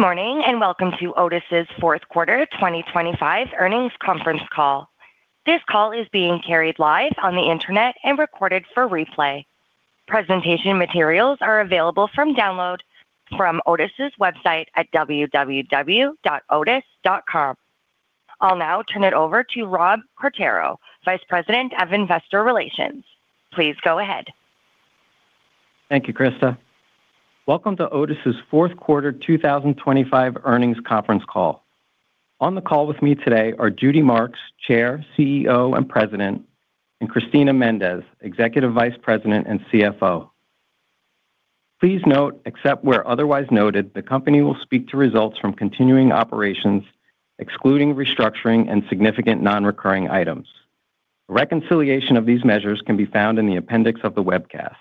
Good morning, and welcome to Otis's fourth quarter 2025 earnings conference call. This call is being carried live on the internet and recorded for replay. Presentation materials are available from download from Otis's website at www.otis.com. I'll now turn it over to Rob Cartero, Vice President of Investor Relations. Please go ahead. Thank you, Krista. Welcome to Otis's fourth quarter 2025 earnings conference call. On the call with me today are Judy Marks, Chair, CEO, and President, and Cristina Mendez, Executive Vice President and CFO. Please note, except where otherwise noted, the company will speak to results from continuing operations, excluding restructuring and significant non-recurring items. A reconciliation of these measures can be found in the appendix of the webcast.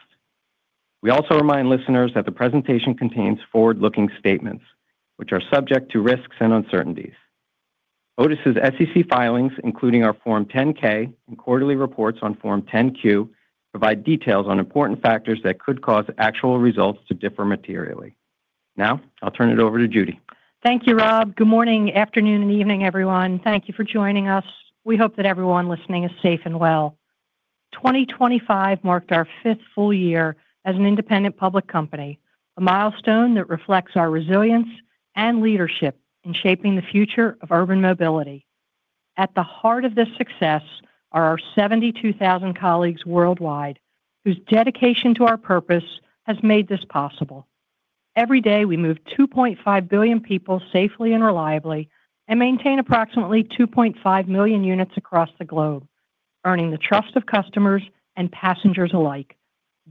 We also remind listeners that the presentation contains forward-looking statements, which are subject to risks and uncertainties. Otis's SEC filings, including our Form 10-K and quarterly reports on Form 10-Q, provide details on important factors that could cause actual results to differ materially. Now, I'll turn it over to Judy. Thank you, Rob. Good morning, afternoon, and evening, everyone. Thank you for joining us. We hope that everyone listening is safe and well. 2025 marked our fifth full year as an independent public company, a milestone that reflects our resilience and leadership in shaping the future of urban mobility. At the heart of this success are our 72,000 colleagues worldwide, whose dedication to our purpose has made this possible. Every day, we move 2.5 billion people safely and reliably and maintain approximately 2.5 million units across the globe, earning the trust of customers and passengers alike.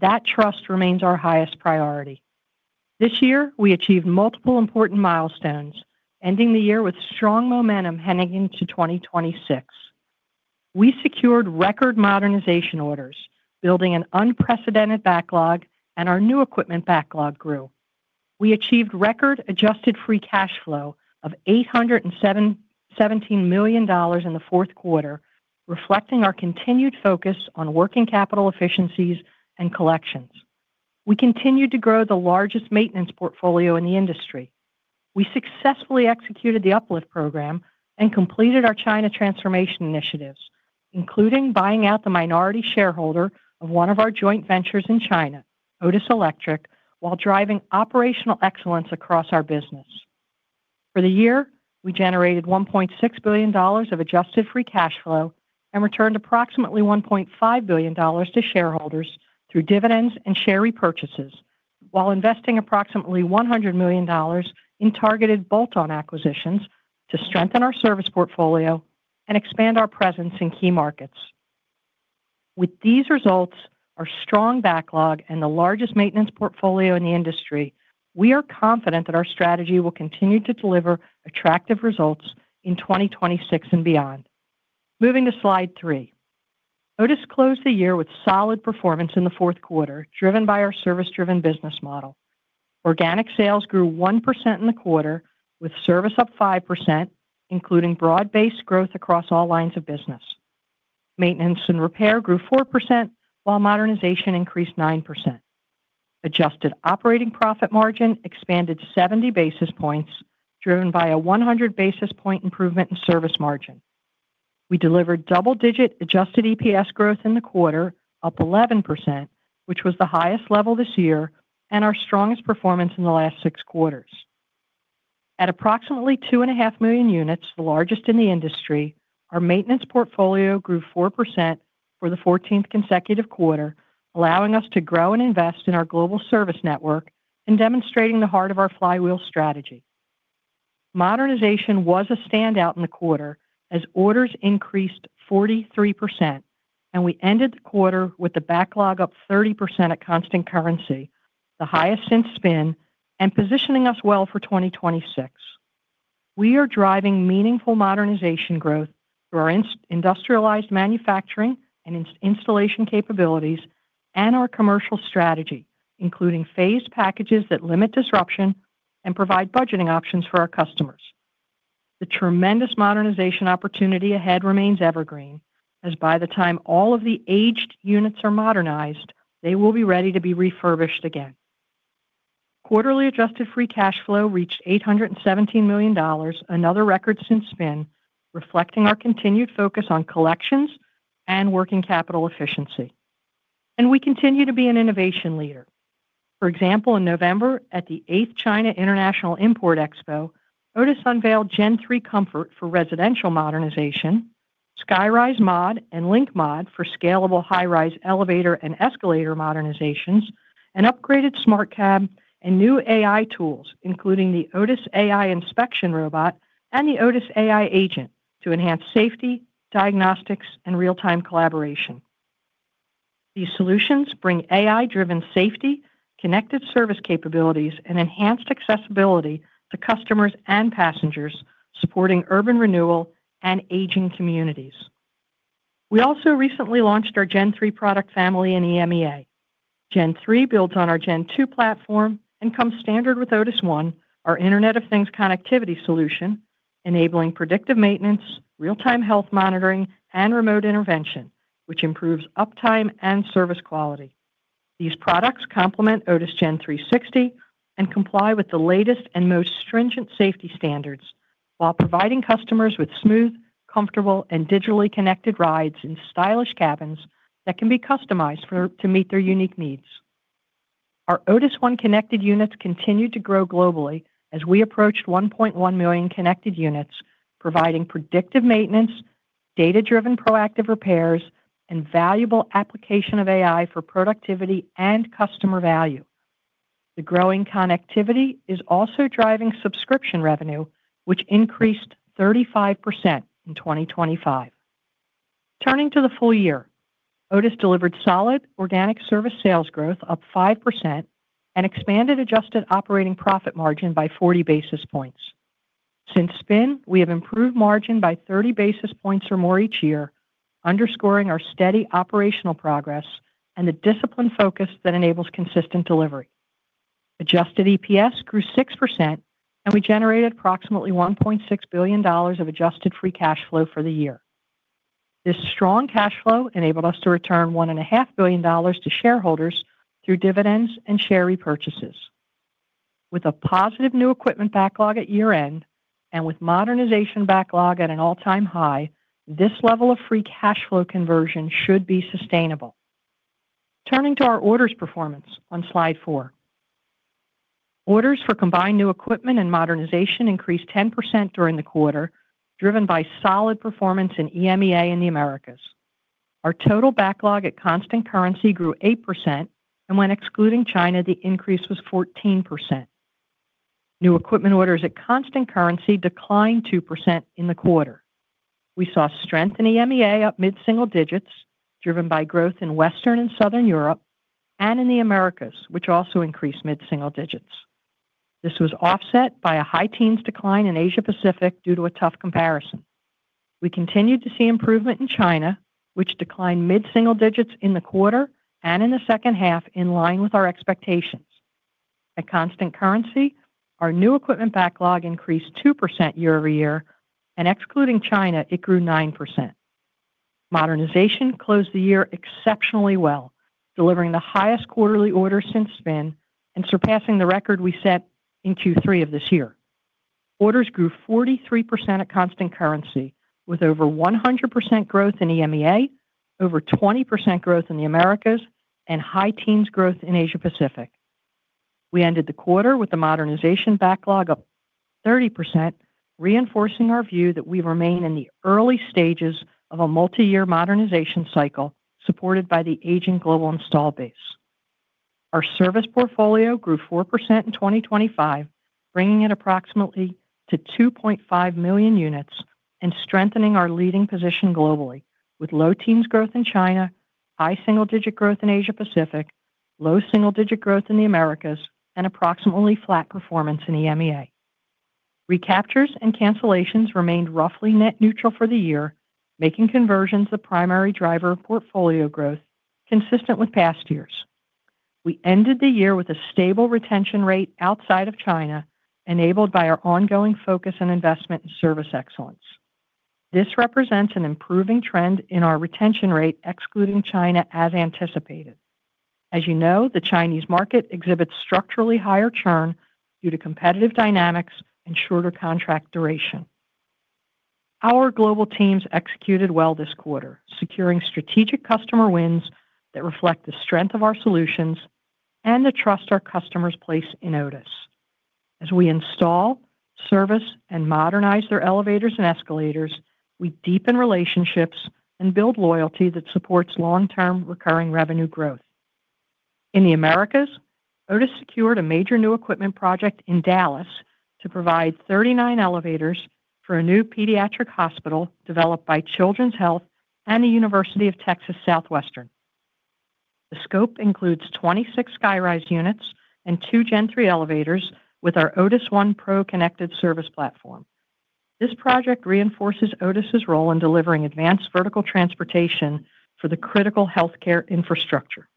That trust remains our highest priority. This year, we achieved multiple important milestones, ending the year with strong momentum heading into 2026. We secured record modernization orders, building an unprecedented backlog, and our new equipment backlog grew. We achieved record-adjusted free cash flow of $817 million in the fourth quarter, reflecting our continued focus on working capital efficiencies and collections. We continued to grow the largest maintenance portfolio in the industry. We successfully executed the UpLift program and completed our China transformation initiatives, including buying out the minority shareholder of one of our joint ventures in China, Otis Electric, while driving operational excellence across our business. For the year, we generated $1.6 billion of adjusted free cash flow and returned approximately $1.5 billion to shareholders through dividends and share repurchases, while investing approximately $100 million in targeted bolt-on acquisitions to strengthen our service portfolio and expand our presence in key markets. With these results, our strong backlog, and the largest maintenance portfolio in the industry, we are confident that our strategy will continue to deliver attractive results in 2026 and beyond. Moving to slide 3. Otis closed the year with solid performance in the fourth quarter, driven by our service-driven business model. Organic sales grew 1% in the quarter, with service up 5%, including broad-based growth across all lines of business. Maintenance and repair grew 4%, while modernization increased 9%. Adjusted operating profit margin expanded 70 basis points, driven by a 100 basis points improvement in service margin. We delivered double-digit adjusted EPS growth in the quarter, up 11%, which was the highest level this year and our strongest performance in the last 6 quarters. At approximately 2.5 million units, the largest in the industry, our maintenance portfolio grew 4% for the 14th consecutive quarter, allowing us to grow and invest in our global service network and demonstrating the heart of our flywheel strategy. Modernization was a standout in the quarter as orders increased 43%, and we ended the quarter with the backlog up 30% at constant currency, the highest since spin and positioning us well for 2026. We are driving meaningful modernization growth through our industrialized manufacturing and installation capabilities and our commercial strategy, including phased packages that limit disruption and provide budgeting options for our customers. The tremendous modernization opportunity ahead remains evergreen, as by the time all of the aged units are modernized, they will be ready to be refurbished again. Quarterly adjusted free cash flow reached $817 million, another record since spin, reflecting our continued focus on collections and working capital efficiency. We continue to be an innovation leader. For example, in November, at the eighth China International Import Expo, Otis unveiled Gen3 Comfort for residential modernization, SkyRise Mod, and Link Mod for scalable high-rise elevator and escalator modernizations, an upgraded Smart Cab, and new AI tools, including the Otis AI Inspection Robot and the Otis AI Agent, to enhance safety, diagnostics, and real-time collaboration. These solutions bring AI-driven safety, connected service capabilities, and enhanced accessibility to customers and passengers, supporting urban renewal and aging communities. We also recently launched our Gen3 product family in EMEA. Gen3 builds on our Gen2 platform and comes standard with Otis ONE, our Internet of Things connectivity solution, enabling predictive maintenance, real-time health monitoring, and remote intervention, which improves uptime and service quality. These products complement Otis Gen360 and comply with the latest and most stringent safety standards, while providing customers with smooth, comfortable, and digitally connected rides in stylish cabins that can be customized to meet their unique needs. Our Otis ONE connected units continued to grow globally as we approached 1.1 million connected units, providing predictive maintenance, data-driven proactive repairs, and valuable application of AI for productivity and customer value. The growing connectivity is also driving subscription revenue, which increased 35% in 2025. Turning to the full year, Otis delivered solid organic service sales growth up 5% and expanded adjusted operating profit margin by 40 basis points. Since spin, we have improved margin by 30 basis points or more each year, underscoring our steady operational progress and the disciplined focus that enables consistent delivery. Adjusted EPS grew 6%, and we generated approximately $1.6 billion of adjusted free cash flow for the year. This strong cash flow enabled us to return $1.5 billion to shareholders through dividends and share repurchases. With a positive new equipment backlog at year-end and with modernization backlog at an all-time high, this level of free cash flow conversion should be sustainable. Turning to our orders performance on Slide 4. Orders for combined new equipment and modernization increased 10% during the quarter, driven by solid performance in EMEA and the Americas. Our total backlog at constant currency grew 8%, and when excluding China, the increase was 14%. New equipment orders at constant currency declined 2% in the quarter. We saw strength in EMEA up mid-single digits, driven by growth in Western and Southern Europe and in the Americas, which also increased mid-single digits. This was offset by a high teens decline in Asia Pacific due to a tough comparison. We continued to see improvement in China, which declined mid-single digits in the quarter and in the second half, in line with our expectations. At constant currency, our new equipment backlog increased 2% year-over-year, and excluding China, it grew 9%. Modernization closed the year exceptionally well, delivering the highest quarterly order since spin and surpassing the record we set in Q3 of this year. Orders grew 43% at constant currency, with over 100% growth in EMEA, over 20% growth in the Americas, and high teens growth in Asia Pacific. We ended the quarter with the modernization backlog up 30%, reinforcing our view that we remain in the early stages of a multi-year modernization cycle supported by the aging global install base. Our service portfolio grew 4% in 2025, bringing it approximately to 2.5 million units and strengthening our leading position globally with low teens growth in China, high single-digit growth in Asia Pacific, low single-digit growth in the Americas, and approximately flat performance in EMEA. Recaptures and cancellations remained roughly net neutral for the year, making conversions the primary driver of portfolio growth consistent with past years. We ended the year with a stable retention rate outside of China, enabled by our ongoing focus and investment in service excellence. This represents an improving trend in our retention rate, excluding China as anticipated. As you know, the Chinese market exhibits structurally higher churn due to competitive dynamics and shorter contract duration. Our global teams executed well this quarter, securing strategic customer wins that reflect the strength of our solutions and the trust our customers place in Otis. As we install, service, and modernize their elevators and escalators, we deepen relationships and build loyalty that supports long-term recurring revenue growth. In the Americas, Otis secured a major new equipment project in Dallas to provide 39 elevators for a new pediatric hospital developed by Children's Health and the University of Texas Southwestern. The scope includes 26 SkyRise units and two Gen3 elevators with our Otis ONE Pro connected service platform. This project reinforces Otis's role in delivering advanced vertical transportation for the critical healthcare infrastructure.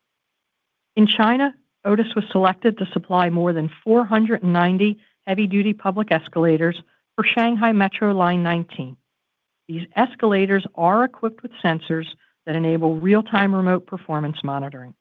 In China, Otis was selected to supply more than 490 heavy-duty public escalators for Shanghai Metro Line 19. These escalators are equipped with sensors that enable real-time remote performance monitoring.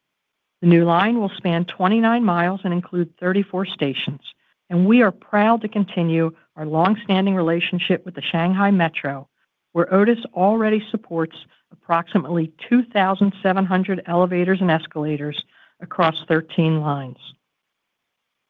The new line will span 29 miles and include 34 stations, and we are proud to continue our long-standing relationship with the Shanghai Metro, where Otis already supports approximately 2,700 elevators and escalators across 13 lines.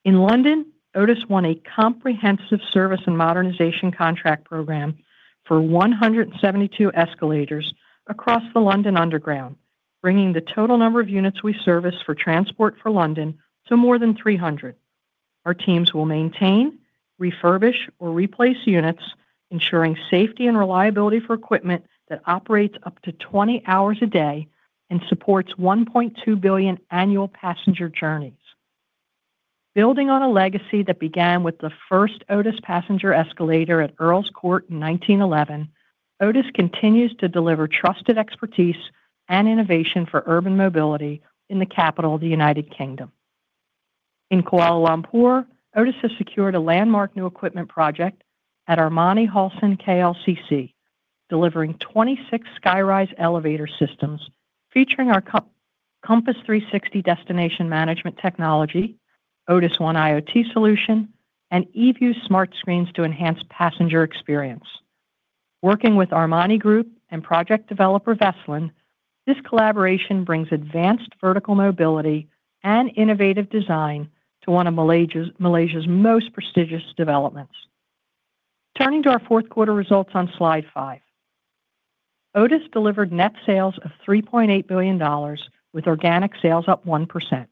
In London, Otis won a comprehensive service and modernization contract program for 172 escalators across the London Underground, bringing the total number of units we service for Transport for London to more than 300. Our teams will maintain, refurbish, or replace units, ensuring safety and reliability for equipment that operates up to 20 hours a day and supports 1.2 billion annual passenger journeys. Building on a legacy that began with the first Otis passenger escalator at Earl's Court in 1911, Otis continues to deliver trusted expertise and innovation for urban mobility in the capital of the United Kingdom. In Kuala Lumpur, Otis has secured a landmark new equipment project at Armani Residence KLCC, delivering 26 SkyRise elevator systems featuring our Compass 360 destination management technology, Otis ONE IoT solution, and eView smart screens to enhance passenger experience. Working with Armani Group and project developer, Vestland, this collaboration brings advanced vertical mobility and innovative design to one of Malaysia's, Malaysia's most prestigious developments. Turning to our fourth quarter results on slide 5. Otis delivered net sales of $3.8 billion, with organic sales up 1%.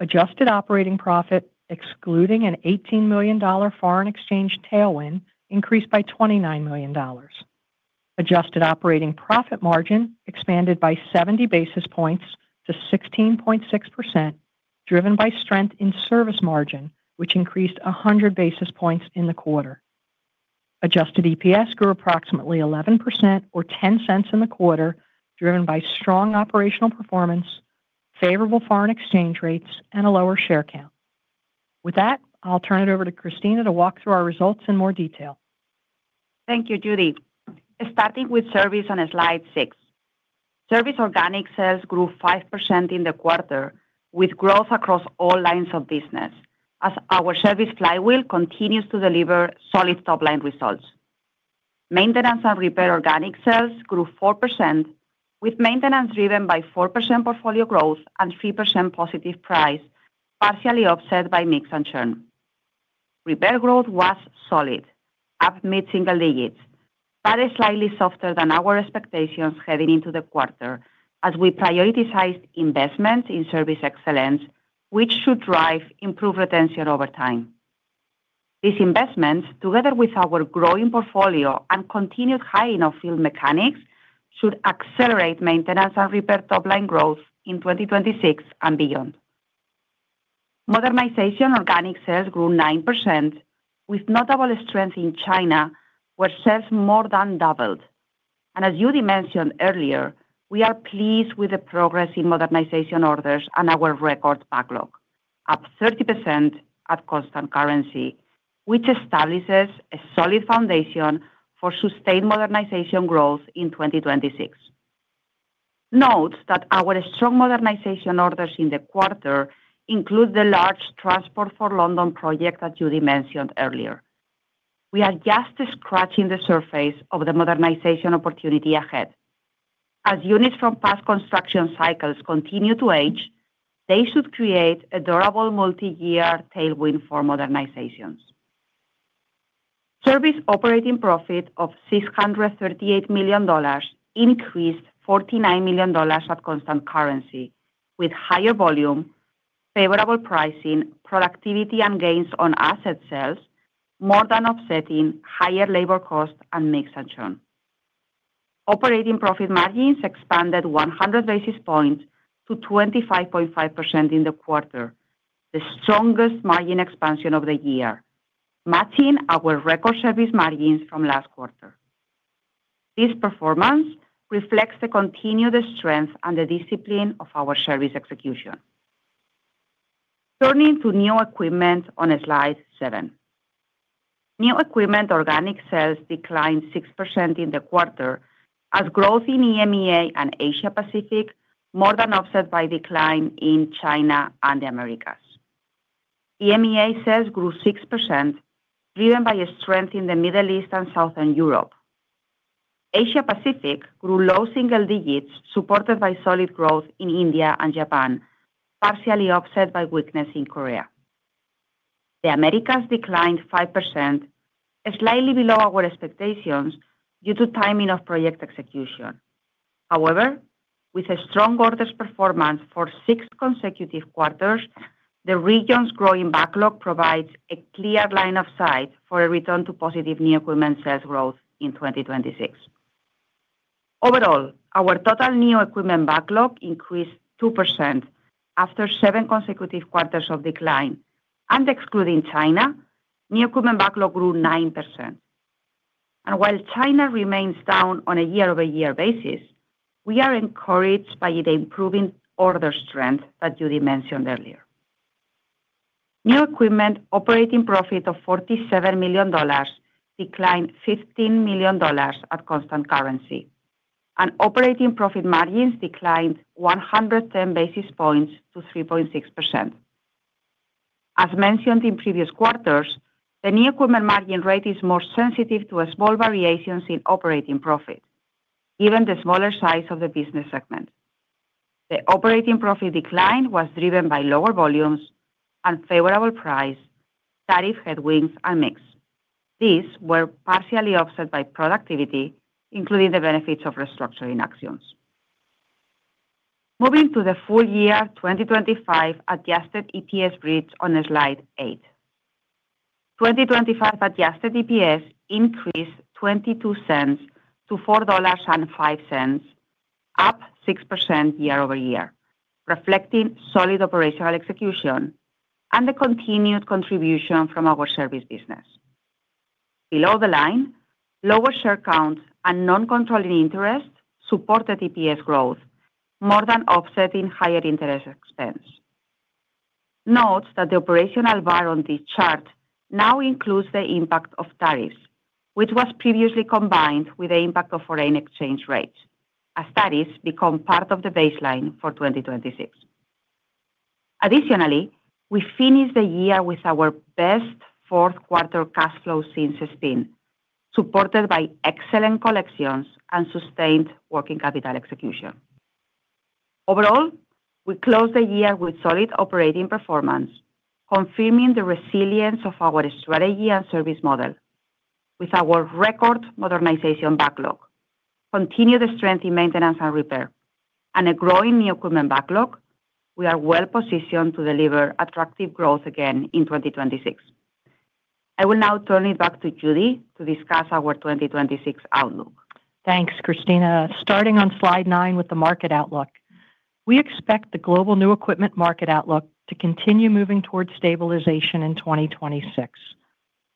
Adjusted operating profit, excluding an $18 million foreign exchange tailwind, increased by $29 million. Adjusted operating profit margin expanded by 70 basis points to 16.6%, driven by strength in service margin, which increased 100 basis points in the quarter. Adjusted EPS grew approximately 11% or $0.10 in the quarter, driven by strong operational performance, favorable foreign exchange rates, and a lower share count. With that, I'll turn it over to Christina to walk through our results in more detail. Thank you, Judy. Starting with service on slide 6. Service organic sales grew 5% in the quarter, with growth across all lines of business, as our service flywheel continues to deliver solid top-line results. Maintenance and repair organic sales grew 4%, with maintenance driven by 4% portfolio growth and 3% positive price, partially offset by mix and churn. Repair growth was solid, up mid-single digits, but slightly softer than our expectations heading into the quarter, as we prioritized investment in service excellence, which should drive improved retention over time. These investments, together with our growing portfolio and continued hiring of field mechanics, should accelerate maintenance and repair top-line growth in 2026 and beyond. Modernization organic sales grew 9%, with notable strength in China, where sales more than doubled. As Judy mentioned earlier, we are pleased with the progress in modernization orders and our record backlog, up 30% at constant currency, which establishes a solid foundation for sustained modernization growth in 2026. Note that our strong modernization orders in the quarter include the large Transport for London project that Judy mentioned earlier. We are just scratching the surface of the modernization opportunity ahead. As units from past construction cycles continue to age, they should create a durable multi-year tailwind for modernizations. Service operating profit of $638 million increased $49 million at constant currency, with higher volume, favorable pricing, productivity, and gains on asset sales, more than offsetting higher labor costs and mix and churn. Operating profit margins expanded 100 basis points to 25.5% in the quarter, the strongest margin expansion of the year, matching our record service margins from last quarter. This performance reflects the continued strength and the discipline of our service execution. Turning to new equipment on slide 7. New equipment organic sales declined 6% in the quarter as growth in EMEA and Asia Pacific more than offset by decline in China and the Americas. EMEA sales grew 6%, driven by a strength in the Middle East and Southern Europe. Asia Pacific grew low single digits, supported by solid growth in India and Japan, partially offset by weakness in Korea. The Americas declined 5%, slightly below our expectations due to timing of project execution. However, with a strong orders performance for 6 consecutive quarters, the region's growing backlog provides a clear line of sight for a return to positive new equipment sales growth in 2026. Overall, our total new equipment backlog increased 2% after 7 consecutive quarters of decline, and excluding China, new equipment backlog grew 9%. While China remains down on a year-over-year basis, we are encouraged by the improving order strength that Judy mentioned earlier. New equipment operating profit of $47 million declined $15 million at constant currency, and operating profit margins declined 110 basis points to 3.6%. As mentioned in previous quarters, the new equipment margin rate is more sensitive to small variations in operating profit, given the smaller size of the business segment. The operating profit decline was driven by lower volumes, unfavorable price, tariff headwinds, and mix. These were partially offset by productivity, including the benefits of restructuring actions. Moving to the full year 2025 adjusted EPS bridge on slide 8. 2025 adjusted EPS increased $0.22 to $4.05, up 6% year-over-year, reflecting solid operational execution and the continued contribution from our service business.... Below the line, lower share count and non-controlling interest supported EPS growth, more than offsetting higher interest expense. Note that the operational bar on this chart now includes the impact of tariffs, which was previously combined with the impact of foreign exchange rates, as tariffs become part of the baseline for 2026. Additionally, we finished the year with our best fourth quarter cash flow since 2016, supported by excellent collections and sustained working capital execution. Overall, we closed the year with solid operating performance, confirming the resilience of our strategy and service model. With our record modernization backlog, continued strength in maintenance and repair, and a growing new equipment backlog, we are well positioned to deliver attractive growth again in 2026. I will now turn it back to Judy to discuss our 2026 outlook. Thanks, Christina. Starting on slide 9 with the market outlook. We expect the global new equipment market outlook to continue moving towards stabilization in 2026.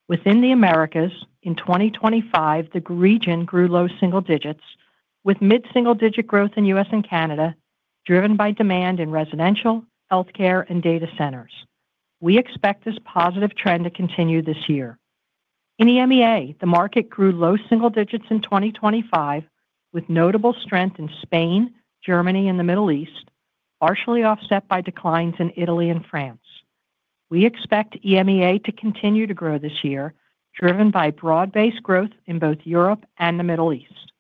Within the Americas, in 2025, the region grew low single digits, with mid-single-digit growth in U.S. and Canada, driven by demand in residential, healthcare, and data centers. We expect this positive trend to continue this year. In EMEA, the market grew low single digits in 2025, with notable strength in Spain, Germany, and the Middle East, partially offset by declines in Italy and France. We expect EMEA to continue to grow this year, driven by broad-based growth in both Europe and the Middle East.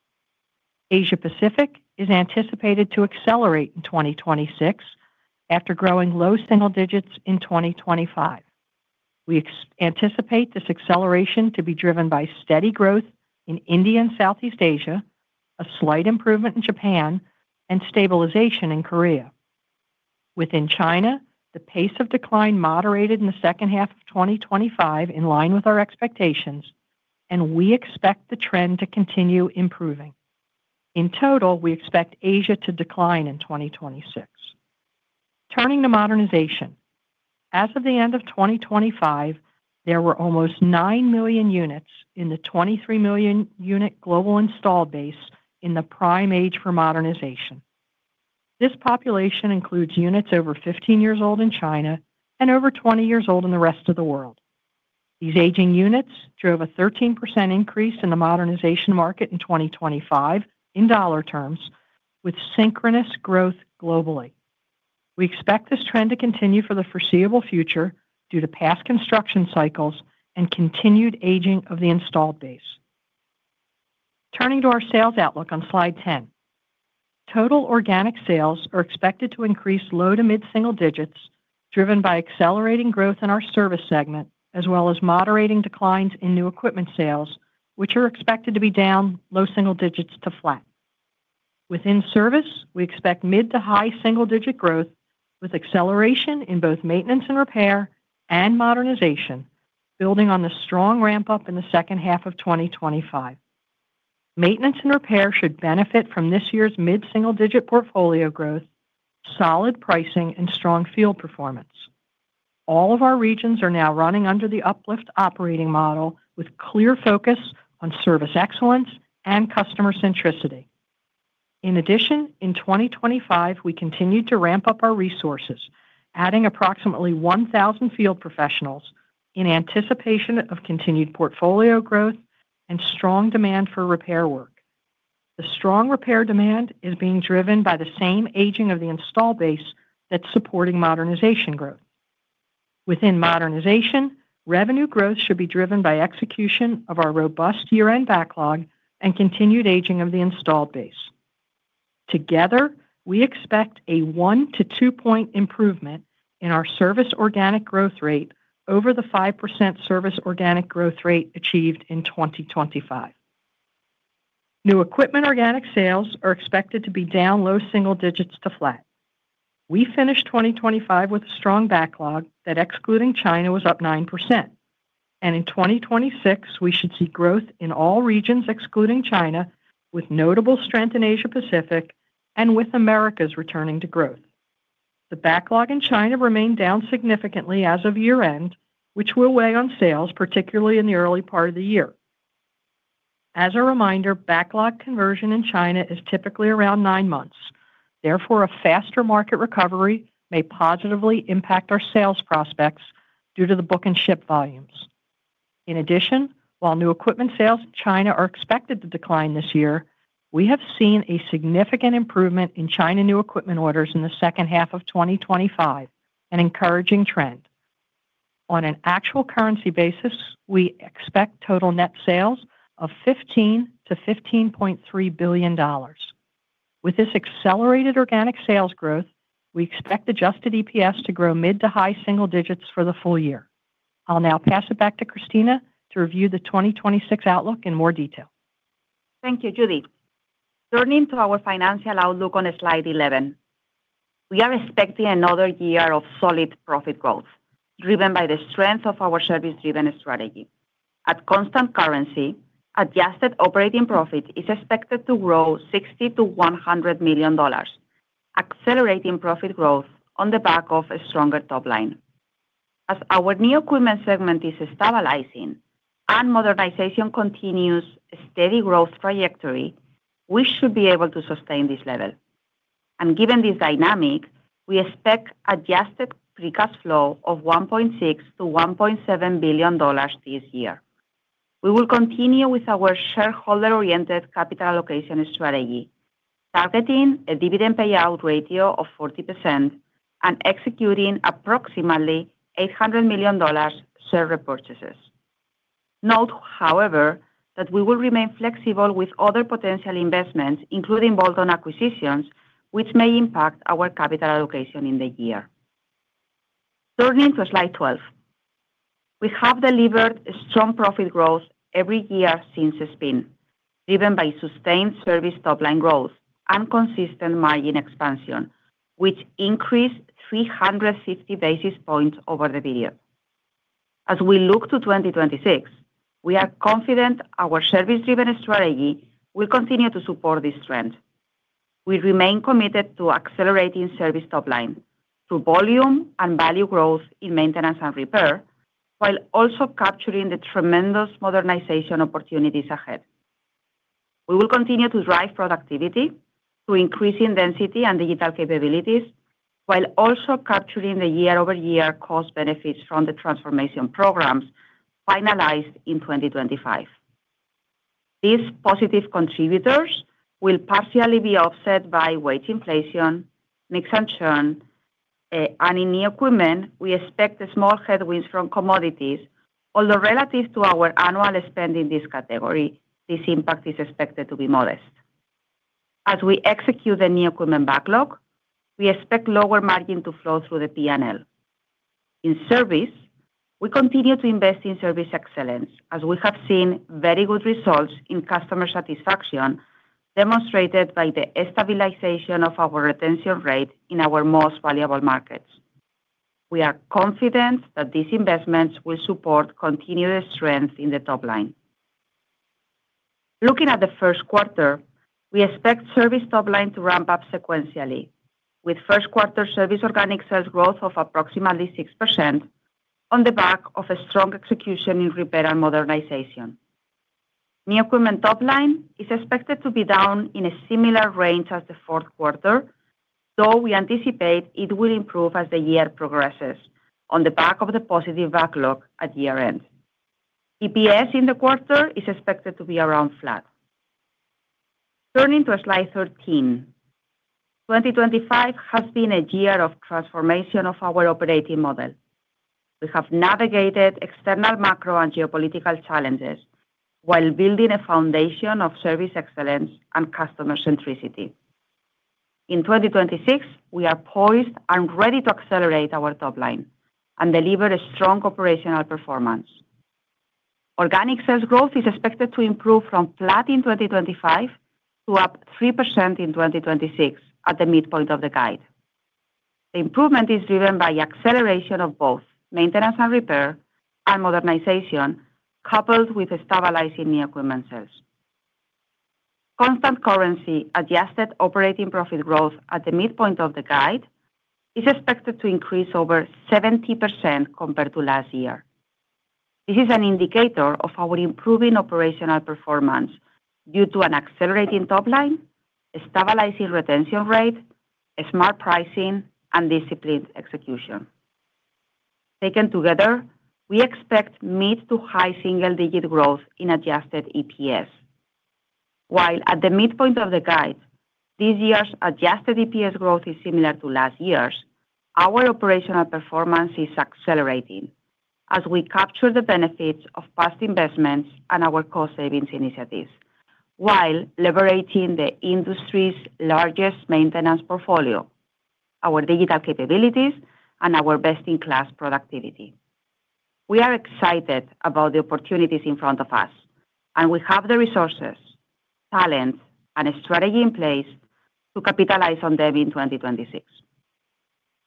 Asia Pacific is anticipated to accelerate in 2026 after growing low single digits in 2025. We anticipate this acceleration to be driven by steady growth in India and Southeast Asia, a slight improvement in Japan, and stabilization in Korea. Within China, the pace of decline moderated in the second half of 2025, in line with our expectations, and we expect the trend to continue improving. In total, we expect Asia to decline in 2026. Turning to modernization. As of the end of 2025, there were almost 9 million units in the 23 million unit global installed base in the prime age for modernization. This population includes units over 15 years old in China and over 20 years old in the rest of the world. These aging units drove a 13% increase in the modernization market in 2025 in dollar terms, with synchronous growth globally. We expect this trend to continue for the foreseeable future due to past construction cycles and continued aging of the installed base. Turning to our sales outlook on slide 10. Total organic sales are expected to increase low- to mid-single digits, driven by accelerating growth in our service segment, as well as moderating declines in new equipment sales, which are expected to be down low-single digits to flat. Within service, we expect mid- to high-single-digit growth, with acceleration in both maintenance and repair and modernization, building on the strong ramp-up in the second half of 2025. Maintenance and repair should benefit from this year's mid-single-digit portfolio growth, solid pricing, and strong field performance. All of our regions are now running under the Uplift operating model, with clear focus on service excellence and customer centricity. In addition, in 2025, we continued to ramp up our resources, adding approximately 1,000 field professionals in anticipation of continued portfolio growth and strong demand for repair work. The strong repair demand is being driven by the same aging of the installed base that's supporting modernization growth. Within modernization, revenue growth should be driven by execution of our robust year-end backlog and continued aging of the installed base. Together, we expect a 1-2 point improvement in our service organic growth rate over the 5% service organic growth rate achieved in 2025. New equipment organic sales are expected to be down low single digits to flat. We finished 2025 with a strong backlog that, excluding China, was up 9%, and in 2026, we should see growth in all regions, excluding China, with notable strength in Asia Pacific and with Americas returning to growth. The backlog in China remained down significantly as of year-end, which will weigh on sales, particularly in the early part of the year. As a reminder, backlog conversion in China is typically around nine months. Therefore, a faster market recovery may positively impact our sales prospects due to the book and ship volumes. In addition, while new equipment sales in China are expected to decline this year, we have seen a significant improvement in China new equipment orders in the second half of 2025, an encouraging trend. On an actual currency basis, we expect total net sales of $15 billion-$15.3 billion. With this accelerated organic sales growth, we expect adjusted EPS to grow mid- to high-single digits for the full year. I'll now pass it back to Christina to review the 2026 outlook in more detail. Thank you, Judy. Turning to our financial outlook on slide 11. We are expecting another year of solid profit growth, driven by the strength of our service-driven strategy. At constant currency, adjusted operating profit is expected to grow $60 million-$100 million, accelerating profit growth on the back of a stronger top line. As our new equipment segment is stabilizing and modernization continues a steady growth trajectory, we should be able to sustain this level. Given this dynamic, we expect adjusted free cash flow of $1.6 billion-$1.7 billion this year. We will continue with our shareholder-oriented capital allocation strategy, targeting a dividend payout ratio of 40% and executing approximately $800 million share repurchases. Note, however, that we will remain flexible with other potential investments, including bolt-on acquisitions, which may impact our capital allocation in the year. Turning to slide 12. We have delivered strong profit growth every year since the spin, driven by sustained service top line growth and consistent margin expansion, which increased 360 basis points over the year. As we look to 2026, we are confident our service-driven strategy will continue to support this trend. We remain committed to accelerating service top line through volume and value growth in maintenance and repair, while also capturing the tremendous modernization opportunities ahead. We will continue to drive productivity through increasing density and digital capabilities, while also capturing the year-over-year cost benefits from the transformation programs finalized in 2025. These positive contributors will partially be offset by wage inflation, mix and churn, and in new equipment, we expect a small headwinds from commodities, although relative to our annual spend in this category, this impact is expected to be modest. As we execute the new equipment backlog, we expect lower margin to flow through the P&L. In service, we continue to invest in service excellence, as we have seen very good results in customer satisfaction, demonstrated by the stabilization of our retention rate in our most valuable markets. We are confident that these investments will support continuous strength in the top line. Looking at the first quarter, we expect service top line to ramp up sequentially, with first quarter service organic sales growth of approximately 6% on the back of a strong execution in repair and modernization. New equipment top line is expected to be down in a similar range as the fourth quarter, though we anticipate it will improve as the year progresses on the back of the positive backlog at year-end. EPS in the quarter is expected to be around flat. Turning to slide 13. 2025 has been a year of transformation of our operating model. We have navigated external macro and geopolitical challenges while building a foundation of service excellence and customer centricity. In 2026, we are poised and ready to accelerate our top line and deliver a strong operational performance. Organic sales growth is expected to improve from flat in 2025 to up 3% in 2026 at the midpoint of the guide. The improvement is driven by acceleration of both maintenance and repair and modernization, coupled with a stabilizing new equipment sales. Constant currency adjusted operating profit growth at the midpoint of the guide is expected to increase over 70% compared to last year. This is an indicator of our improving operational performance due to an accelerating top line, a stabilizing retention rate, a smart pricing, and disciplined execution. Taken together, we expect mid- to high single-digit growth in Adjusted EPS. While at the midpoint of the guide, this year's Adjusted EPS growth is similar to last year's, our operational performance is accelerating as we capture the benefits of past investments and our cost savings initiatives while leveraging the industry's largest maintenance portfolio, our digital capabilities, and our best-in-class productivity. We are excited about the opportunities in front of us, and we have the resources, talent, and a strategy in place to capitalize on them in 2026.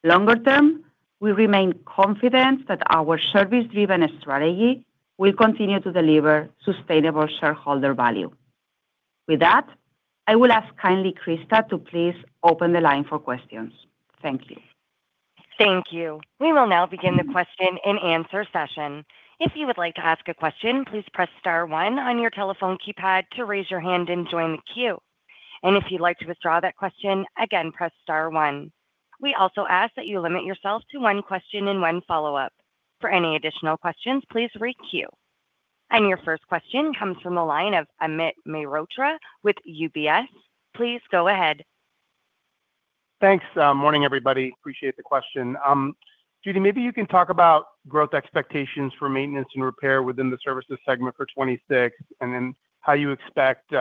Longer term, we remain confident that our service-driven strategy will continue to deliver sustainable shareholder value. With that, I will ask kindly, Krista, to please open the line for questions. Thank you. Thank you. We will now begin the question-and-answer session. If you would like to ask a question, please press star one on your telephone keypad to raise your hand and join the queue. And if you'd like to withdraw that question, again, press star one. We also ask that you limit yourself to one question and one follow-up. For any additional questions, please requeue. And your first question comes from the line of Amit Mehrotra with UBS. Please go ahead. Thanks. Morning, everybody. Appreciate the question. Judy, maybe you can talk about growth expectations for maintenance and repair within the services segment for 2026, and then how you expect, you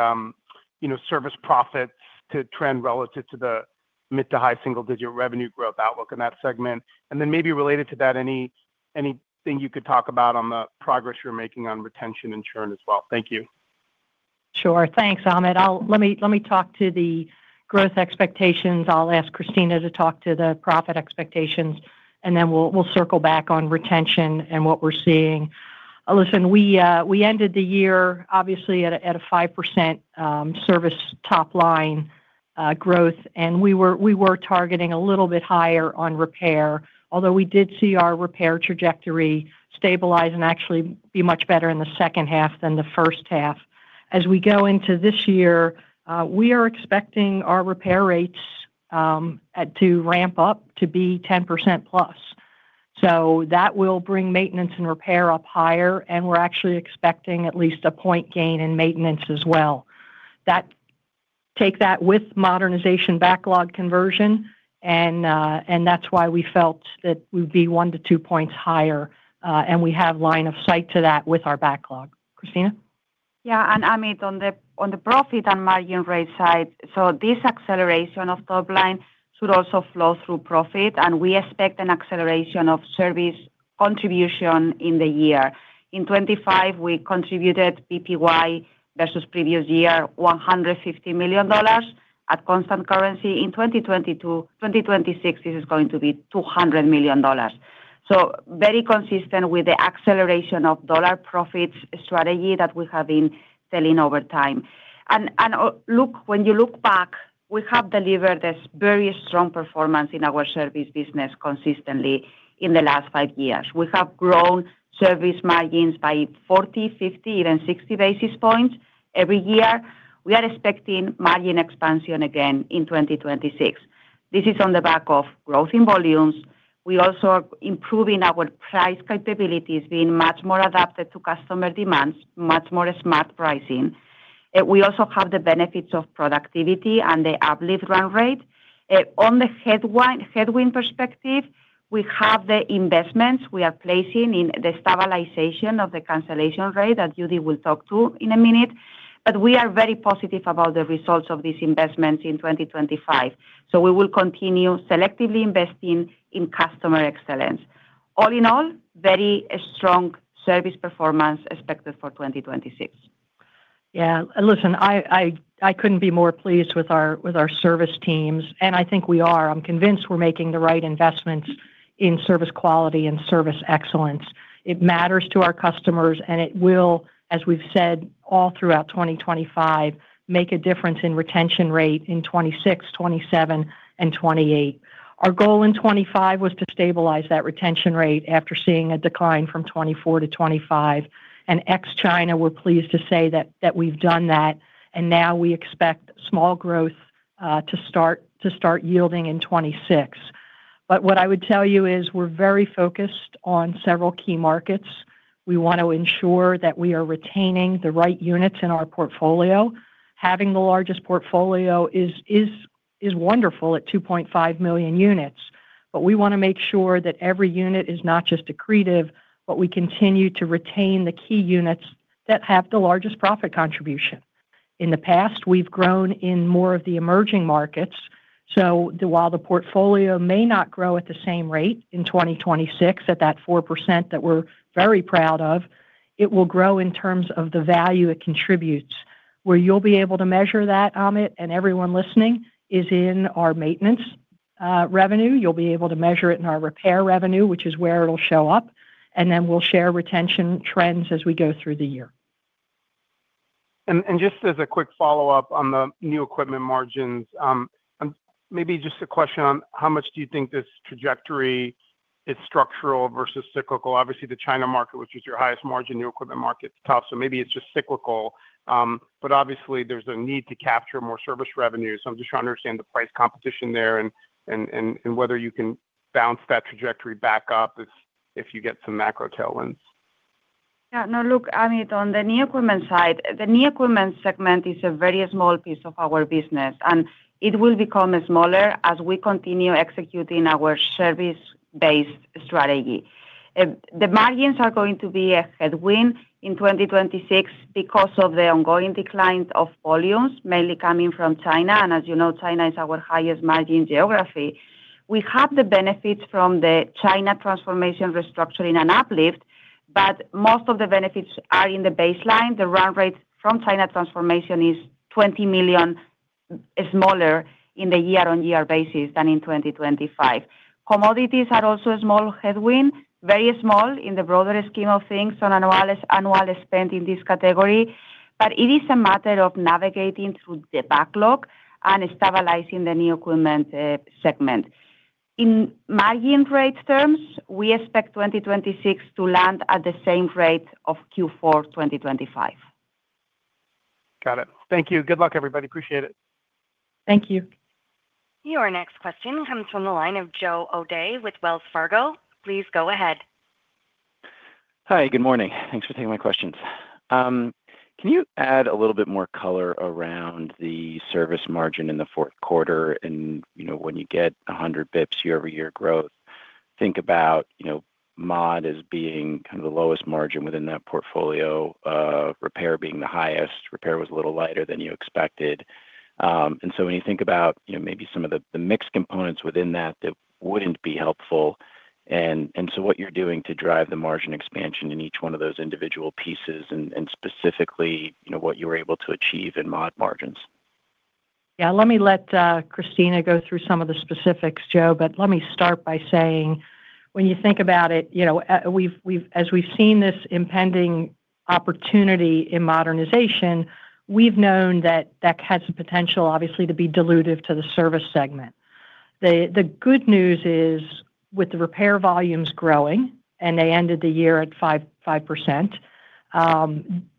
know, service profits to trend relative to the mid- to high single-digit revenue growth outlook in that segment. And then maybe related to that, any, anything you could talk about on the progress you're making on retention and churn as well. Thank you. Sure. Thanks, Amit. Let me talk to the growth expectations. I'll ask Christina to talk to the profit expectations, and then we'll circle back on retention and what we're seeing. Listen, we ended the year obviously at a 5% service top line growth, and we were targeting a little bit higher on repair. Although we did see our repair trajectory stabilize and actually be much better in the second half than the first half. As we go into this year, we are expecting our repair rates to ramp up to be 10%+. So that will bring maintenance and repair up higher, and we're actually expecting at least a point gain in maintenance as well. Take that with modernization backlog conversion, and that's why we felt that we'd be 1-2 points higher, and we have line of sight to that with our backlog. Christina? Yeah, and, Amit, on the profit and margin rate side, so this acceleration of top line should also flow through profit, and we expect an acceleration of service contribution in the year. In 2025, we contributed PTI versus previous year, $150 million at constant currency. In 2020 to 2026, this is going to be $200 million. So very consistent with the acceleration of dollar profits strategy that we have been selling over time. And, look, when you look back, we have delivered this very strong performance in our service business consistently in the last five years. We have grown service margins by 40, 50, even 60 basis points every year. We are expecting margin expansion again in 2026. This is on the back of growth in volumes. We also are improving our price capabilities, being much more adapted to customer demands, much more smart pricing. We also have the benefits of productivity and the uplift run rate. On the headwind perspective, we have the investments we are placing in the stabilization of the cancellation rate that Judy will talk to in a minute. But we are very positive about the results of this investment in 2025, so we will continue selectively investing in customer excellence. All in all, very strong service performance expected for 2026. Yeah, listen, I couldn't be more pleased with our service teams, and I think we are. I'm convinced we're making the right investments in service quality and service excellence. It matters to our customers, and it will, as we've said, all throughout 2025, make a difference in retention rate in 2026, 2027, and 2028. Our goal in 2025 was to stabilize that retention rate after seeing a decline from 2024 to 2025. Ex-China, we're pleased to say that we've done that, and now we expect small growth to start yielding in 2026. But what I would tell you is we're very focused on several key markets. We want to ensure that we are retaining the right units in our portfolio. Having the largest portfolio is wonderful at 2.5 million units, but we wanna make sure that every unit is not just accretive, but we continue to retain the key units that have the largest profit contribution. In the past, we've grown in more of the emerging markets, so while the portfolio may not grow at the same rate in 2026, at that 4% that we're very proud of, it will grow in terms of the value it contributes. Where you'll be able to measure that, Amit, and everyone listening, is in our maintenance revenue. You'll be able to measure it in our repair revenue, which is where it'll show up, and then we'll share retention trends as we go through the year. And just as a quick follow-up on the new equipment margins, and maybe just a question on how much do you think this trajectory is structural versus cyclical? Obviously, the China market, which is your highest margin, new equipment market at the top, so maybe it's just cyclical. But obviously, there's a need to capture more service revenue. So I'm just trying to understand the price competition there and whether you can bounce that trajectory back up if you get some macro tailwinds. Yeah. No, look, Amit, on the new equipment side, the new equipment segment is a very small piece of our business, and it will become smaller as we continue executing our service-based strategy. The margins are going to be a headwind in 2026 because of the ongoing decline of volumes, mainly coming from China, and as you know, China is our highest margin geography. We have the benefits from the China transformation, restructuring, and uplift, but most of the benefits are in the baseline. The run rate from China transformation is $20 million smaller in the year-on-year basis than in 2025. Commodities are also a small headwind, very small in the broader scheme of things on annual, annual spend in this category, but it is a matter of navigating through the backlog and stabilizing the new equipment segment. In margin rate terms, we expect 2026 to land at the same rate of Q4 2025. Got it. Thank you. Good luck, everybody. Appreciate it. Thank you. Your next question comes from the line of Joe O'Dea with Wells Fargo. Please go ahead. Hi, good morning. Thanks for taking my questions. Can you add a little bit more color around the service margin in the fourth quarter? And, you know, when you get 100 basis points year-over-year growth, think about, you know, mod as being kind of the lowest margin within that portfolio, repair being the highest. Repair was a little lighter than you expected. And so when you think about, you know, maybe some of the mixed components within that, that wouldn't be helpful, and so what you're doing to drive the margin expansion in each one of those individual pieces and, specifically, you know, what you were able to achieve in mod margins.... Yeah, let me let Christina go through some of the specifics, Joe, but let me start by saying, when you think about it, you know, as we've seen this impending opportunity in modernization, we've known that that has the potential, obviously, to be dilutive to the service segment. The good news is, with the repair volumes growing, and they ended the year at 5%,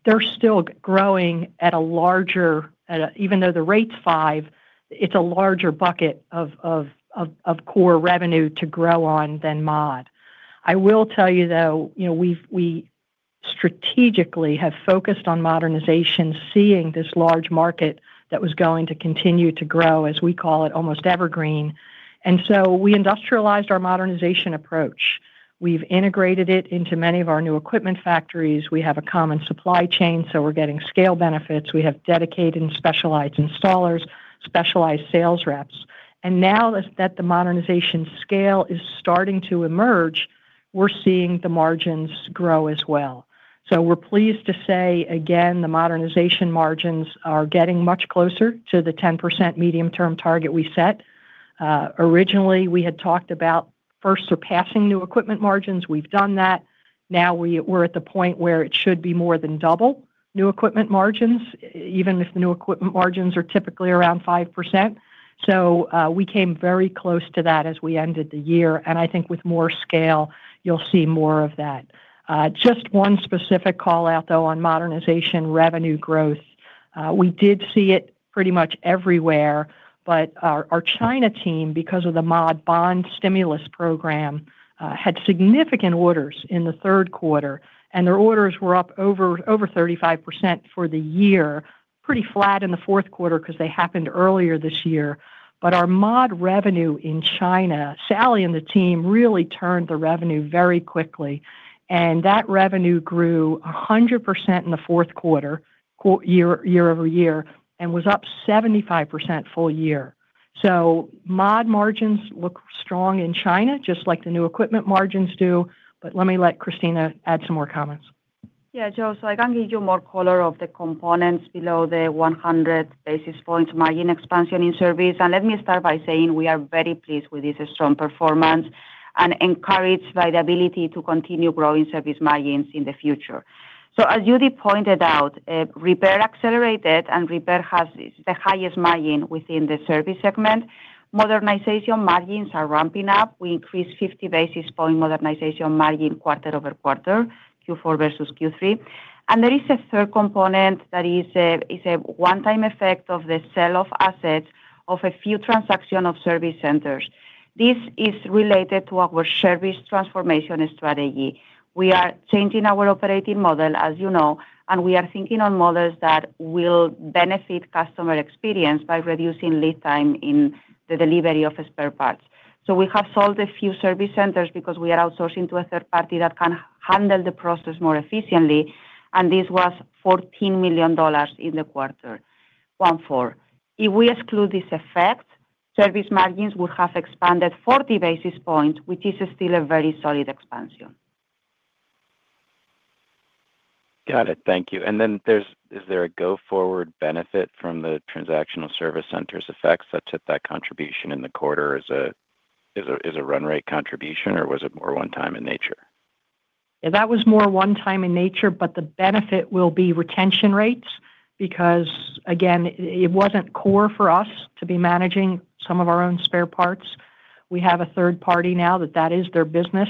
they're still growing at a larger. Even though the rate's 5%, it's a larger bucket of core revenue to grow on than mod. I will tell you, though, you know, we strategically have focused on modernization, seeing this large market that was going to continue to grow, as we call it, almost evergreen, and so we industrialized our modernization approach. We've integrated it into many of our new equipment factories. We have a common supply chain, so we're getting scale benefits. We have dedicated and specialized installers, specialized sales reps, and now that the modernization scale is starting to emerge, we're seeing the margins grow as well. So we're pleased to say, again, the modernization margins are getting much closer to the 10% medium-term target we set. Originally, we had talked about first surpassing new equipment margins. We've done that. Now, we're at the point where it should be more than double new equipment margins, even if the new equipment margins are typically around 5%. So, we came very close to that as we ended the year, and I think with more scale, you'll see more of that. Just one specific call-out, though, on modernization revenue growth. We did see it pretty much everywhere, but our China team, because of the Mod bond stimulus program, had significant orders in the third quarter, and their orders were up over 35% for the year. Pretty flat in the fourth quarter because they happened earlier this year. But our mod revenue in China, Sally and the team really turned the revenue very quickly, and that revenue grew 100% in the fourth quarter year-over-year, and was up 75% full year. So mod margins look strong in China, just like the new equipment margins do, but let me let Christina add some more comments. Yeah, Joe, so I can give you more color on the components below the 100 basis points margin expansion in service. Let me start by saying we are very pleased with this strong performance and encouraged by the ability to continue growing service margins in the future. So as Judy pointed out, repair accelerated, and repair has the highest margin within the service segment. Modernization margins are ramping up. We increased 50 basis points modernization margin quarter-over-quarter, Q4 versus Q3. There is a third component that is a one-time effect of the sale of assets of a few transactions of service centers. This is related to our service transformation strategy. We are changing our operating model, as you know, and we are thinking on models that will benefit customer experience by reducing lead time in the delivery of spare parts. We have sold a few service centers because we are outsourcing to a third party that can handle the process more efficiently, and this was $14 million in the quarter, 1 4. If we exclude this effect, service margins would have expanded 40 basis points, which is still a very solid expansion. Got it. Thank you. And then, is there a go-forward benefit from the transactional service centers' FX such that that contribution in the quarter is a run-rate contribution, or was it more one-time in nature? Yeah, that was more one time in nature, but the benefit will be retention rates because, again, it wasn't core for us to be managing some of our own spare parts. We have a third party now that is their business.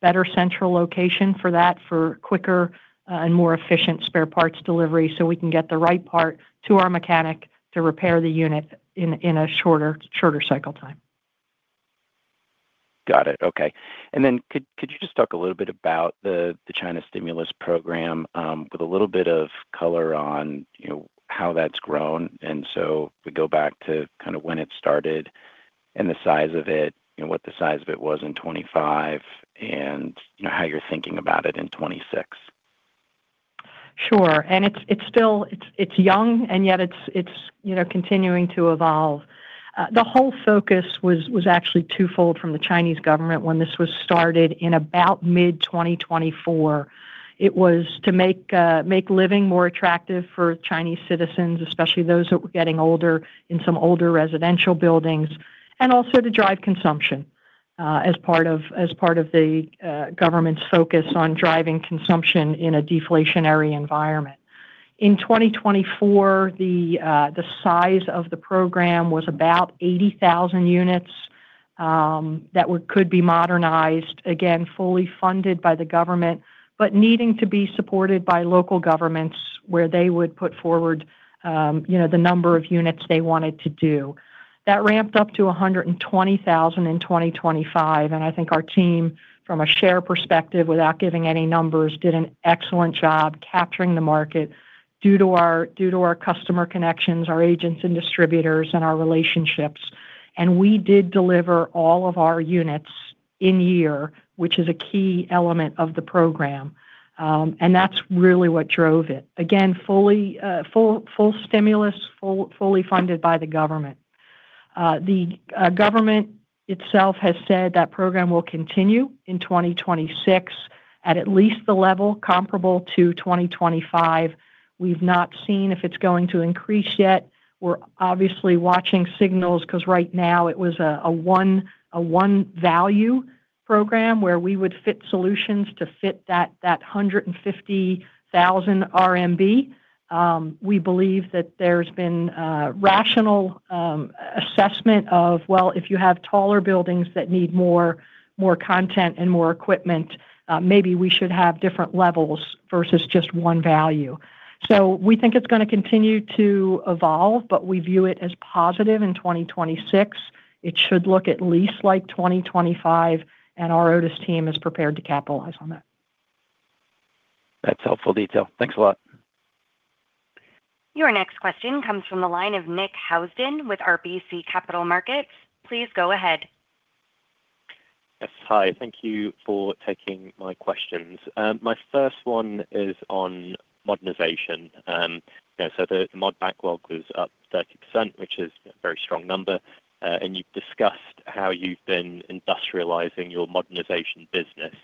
Better central location for that, for quicker and more efficient spare parts delivery, so we can get the right part to our mechanic to repair the unit in a shorter cycle time. Got it. Okay. Then could you just talk a little bit about the China stimulus program with a little bit of color on, you know, how that's grown? And so we go back to kind of when it started and the size of it and what the size of it was in 2025, and, you know, how you're thinking about it in 2026. Sure. And it's still... It's young, and yet it's, you know, continuing to evolve. The whole focus was actually twofold from the Chinese government when this was started in about mid-2024. It was to make living more attractive for Chinese citizens, especially those that were getting older, in some older residential buildings, and also to drive consumption as part of the government's focus on driving consumption in a deflationary environment. In 2024, the size of the program was about 80,000 units that could be modernized, again, fully funded by the government, but needing to be supported by local governments, where they would put forward, you know, the number of units they wanted to do. That ramped up to 120,000 in 2025, and I think our team, from a share perspective, without giving any numbers, did an excellent job capturing the market due to our customer connections, our agents and distributors, and our relationships. And we did deliver all of our units in year, which is a key element of the program, and that's really what drove it. Again, full stimulus, fully funded by the government. The government itself has said that program will continue in 2026 at least the level comparable to 2025. We've not seen if it's going to increase yet. We're obviously watching signals, 'cause right now it was a one value program where we would fit solutions to fit that 150,000 RMB. We believe that there's been rational assessment of, well, if you have taller buildings that need more, more content and more equipment, maybe we should have different levels versus just one value. So we think it's gonna continue to evolve, but we view it as positive in 2026. It should look at least like 2025, and our Otis team is prepared to capitalize on that. That's helpful detail. Thanks a lot. Your next question comes from the line of Nick Housden with RBC Capital Markets. Please go ahead. Yes. Hi, thank you for taking my questions. My first one is on modernization. You know, so the mod backlog was up 30%, which is a very strong number. And you've discussed how you've been industrializing your modernization business.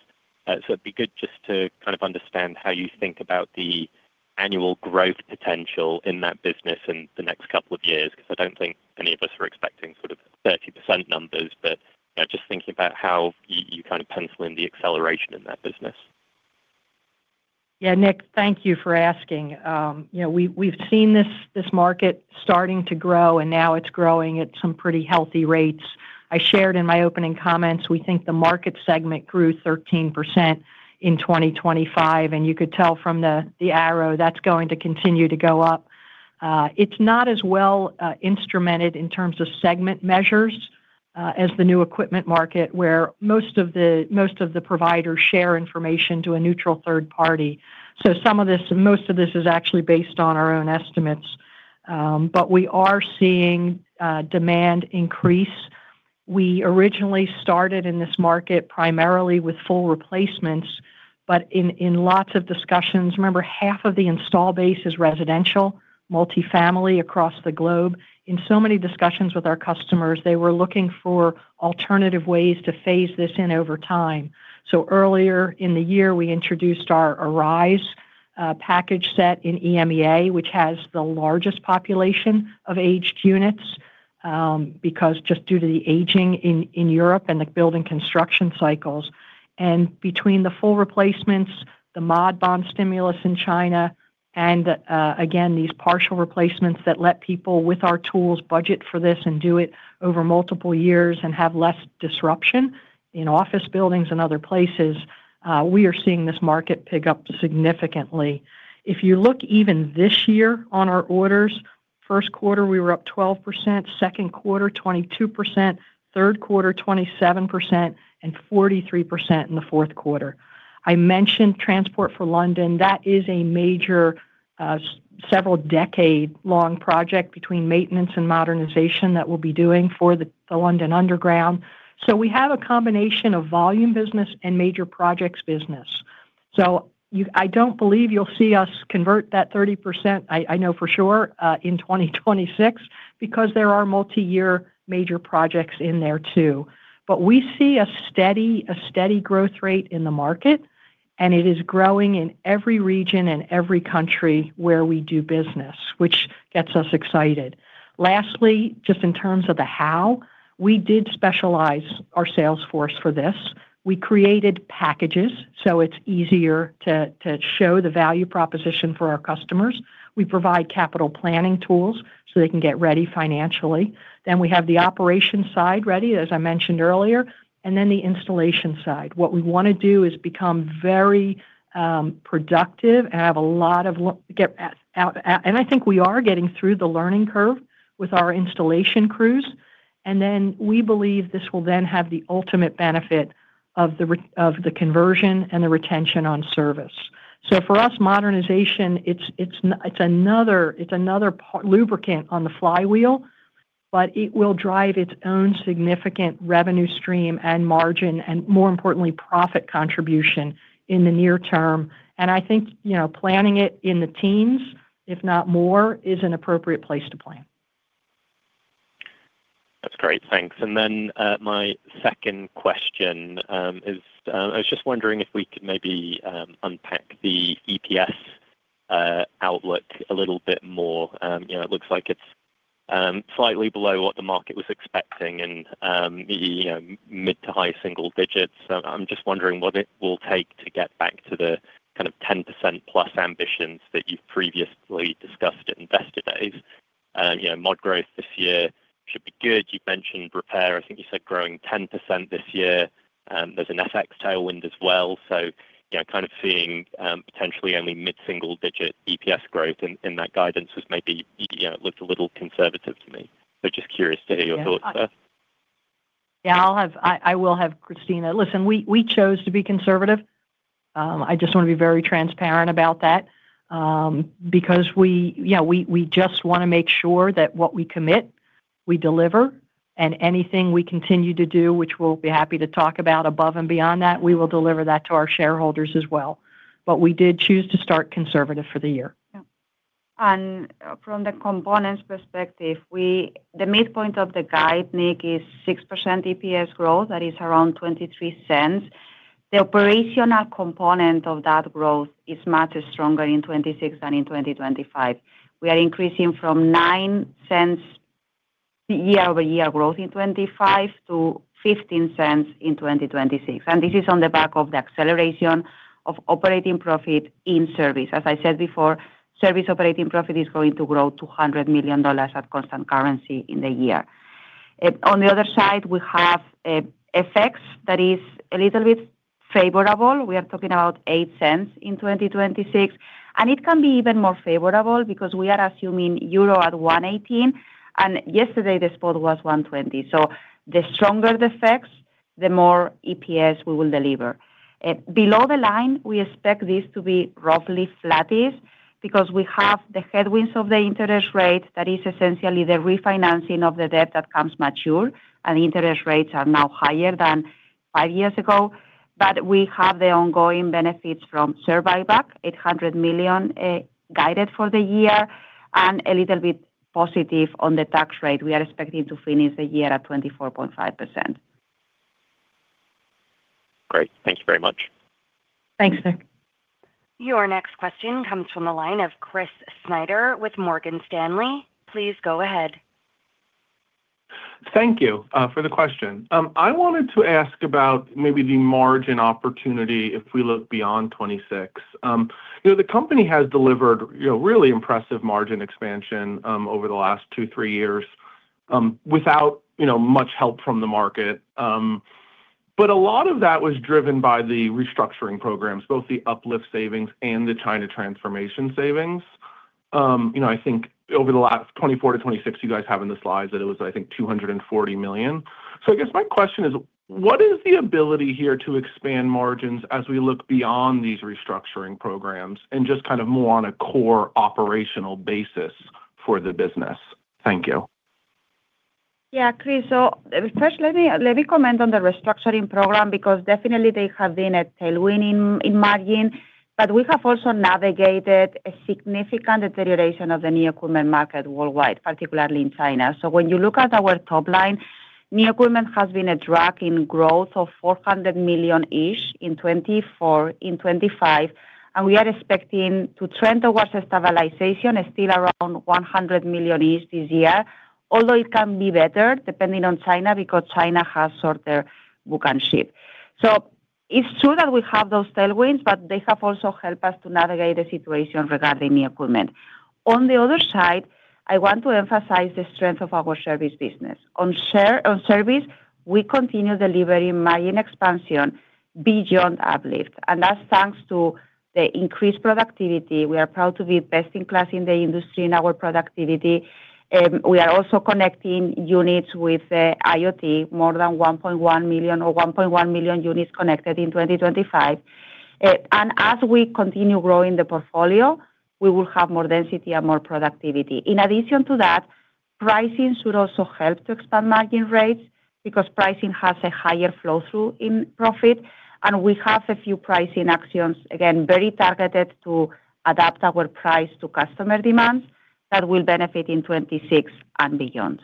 So it'd be good just to kind of understand how you think about the annual growth potential in that business in the next couple of years, because I don't think any of us were expecting short of 30% numbers. But, just thinking about how you, you kind of pencil in the acceleration in that business. Yeah, Nick, thank you for asking. You know, we've seen this market starting to grow, and now it's growing at some pretty healthy rates. I shared in my opening comments, we think the market segment grew 13% in 2025, and you could tell from the arrow that's going to continue to go up. It's not as well instrumented in terms of segment measures as the new equipment market, where most of the providers share information to a neutral third party. So most of this is actually based on our own estimates, but we are seeing demand increase. We originally started in this market primarily with full replacements, but in lots of discussions... Remember, half of the install base is residential, multifamily across the globe. In so many discussions with our customers, they were looking for alternative ways to phase this in over time. So earlier in the year, we introduced our Arise package set in EMEA, which has the largest population of aged units, because just due to the aging in, in Europe and the building construction cycles. And between the full replacements, the Mod bond stimulus in China, and again, these partial replacements that let people with our tools budget for this and do it over multiple years and have less disruption in office buildings and other places, we are seeing this market pick up significantly. If you look even this year on our orders, first quarter, we were up 12%; second quarter, 22%; third quarter, 27%; and 43% in the fourth quarter. I mentioned Transport for London, that is a major several decade-long project between maintenance and modernization that we'll be doing for the London Underground. So we have a combination of volume business and major projects business. So you-- I don't believe you'll see us convert that 30%, I know for sure in 2026, because there are multi-year major projects in there, too. But we see a steady growth rate in the market, and it is growing in every region and every country where we do business, which gets us excited. Lastly, just in terms of the how, we did specialize our sales force for this. We created packages, so it's easier to show the value proposition for our customers. We provide capital planning tools so they can get ready financially. Then we have the operation side ready, as I mentioned earlier, and then the installation side. What we wanna do is become very productive. And I think we are getting through the learning curve with our installation crews. And then we believe this will then have the ultimate benefit of the revenue of the conversion and the retention on service. So for us, modernization, it's another lubricant on the flywheel, but it will drive its own significant revenue stream and margin, and more importantly, profit contribution in the near term. And I think, you know, planning it in the teens, if not more, is an appropriate place to plan. That's great. Thanks. And then, my second question, is, I was just wondering if we could maybe, unpack the EPS, outlook a little bit more. You know, it looks like it's, slightly below what the market was expecting and, you know, mid to high single digits. I'm just wondering what it will take to get back to the kind of 10%+ ambitions that you've previously discussed at Investor Day? You know, mod growth this year should be good. You've mentioned repair. I think you said growing 10% this year, there's an FX tailwind as well. So, you know, kind of seeing, potentially only mid-single digit EPS growth in, in that guidance was maybe, you know, it looked a little conservative to me. So just curious to hear your thoughts there. Yeah, I'll have Christina... Listen, we chose to be conservative. I just wanna be very transparent about that, because we, you know, we just wanna make sure that what we commit, we deliver, and anything we continue to do, which we'll be happy to talk about above and beyond that, we will deliver that to our shareholders as well. But we did choose to start conservative for the year.... From the components perspective, we, the midpoint of the guide, Nick, is 6% EPS growth, that is around $0.23. The operational component of that growth is much stronger in 2026 than in 2025. We are increasing from $0.09 year-over-year growth in 2025 to $0.15 in 2026, and this is on the back of the acceleration of operating profit in service. As I said before, service operating profit is going to grow $200 million at constant currency in the year. On the other side, we have effects that is a little bit favorable. We are talking about $0.08 in 2026, and it can be even more favorable because we are assuming euro at 1.18, and yesterday, the spot was 1.20. So the stronger the effects, the more EPS we will deliver. Below the line, we expect this to be roughly flattest because we have the headwinds of the interest rate. That is essentially the refinancing of the debt that comes mature, and interest rates are now higher than five years ago. But we have the ongoing benefits from share buyback, $800 million guided for the year, and a little bit positive on the tax rate. We are expecting to finish the year at 24.5%. Great. Thank you very much. Thanks, Nick. Your next question comes from the line of Chris Snyder with Morgan Stanley. Please go ahead. Thank you, for the question. I wanted to ask about maybe the margin opportunity if we look beyond 2026. You know, the company has delivered, you know, really impressive margin expansion, over the last 2-3 years, without, you know, much help from the market. But a lot of that was driven by the restructuring programs, both the uplift savings and the China transformation savings. You know, I think over the last 2024-2026, you guys have in the slides that it was, I think, $240 million. So I guess my question is: what is the ability here to expand margins as we look beyond these restructuring programs and just kind of more on a core operational basis for the business? Thank you. Yeah, Chris. So first, let me, let me comment on the restructuring program, because definitely they have been a tailwind in, in margin, but we have also navigated a significant deterioration of the new equipment market worldwide, particularly in China. So when you look at our top line, new equipment has been a drag in growth of $400 million-ish in 2024, in 2025, and we are expecting to trend towards a stabilization, still around $100 million each this year, although it can be better depending on China, because China has sort their book and ship. So it's true that we have those tailwinds, but they have also helped us to navigate the situation regarding the equipment. On the other side, I want to emphasize the strength of our service business. On service, we continue delivering margin expansion beyond uplift, and that's thanks to the increased productivity. We are proud to be best in class in the industry in our productivity. We are also connecting units with the IoT, more than 1.1 million or 1.1 million units connected in 2025. And as we continue growing the portfolio, we will have more density and more productivity. In addition to that, pricing should also help to expand margin rates because pricing has a higher flow through in profit, and we have a few pricing actions, again, very targeted to adapt our price to customer demands that will benefit in 2026 and beyond.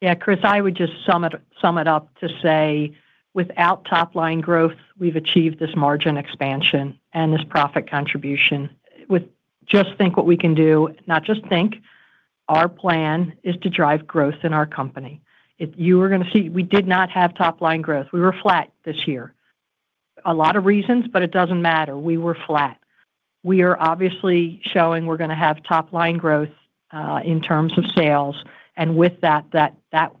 Yeah, Chris, I would just sum it, sum it up to say, without top-line growth, we've achieved this margin expansion and this profit contribution. With just think what we can do, not just think, our plan is to drive growth in our company. If you were gonna see, we did not have top-line growth. We were flat this year. A lot of reasons, but it doesn't matter. We were flat. We are obviously showing we're gonna have top-line growth in terms of sales, and with that, that, that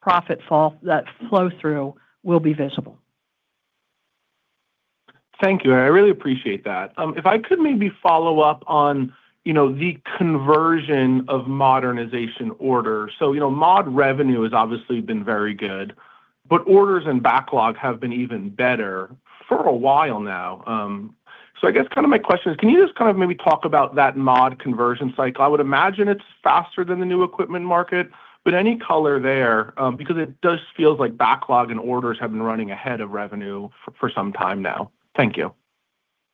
profit fall, that flow through will be visible. Thank you. I really appreciate that. If I could maybe follow up on, you know, the conversion of modernization order. So, you know, mod revenue has obviously been very good, but orders and backlog have been even better for a while now. So I guess kind of my question is, can you just kind of maybe talk about that mod conversion cycle? I would imagine it's faster than the new equipment market, but any color there, because it does feel like backlog and orders have been running ahead of revenue for some time now. Thank you.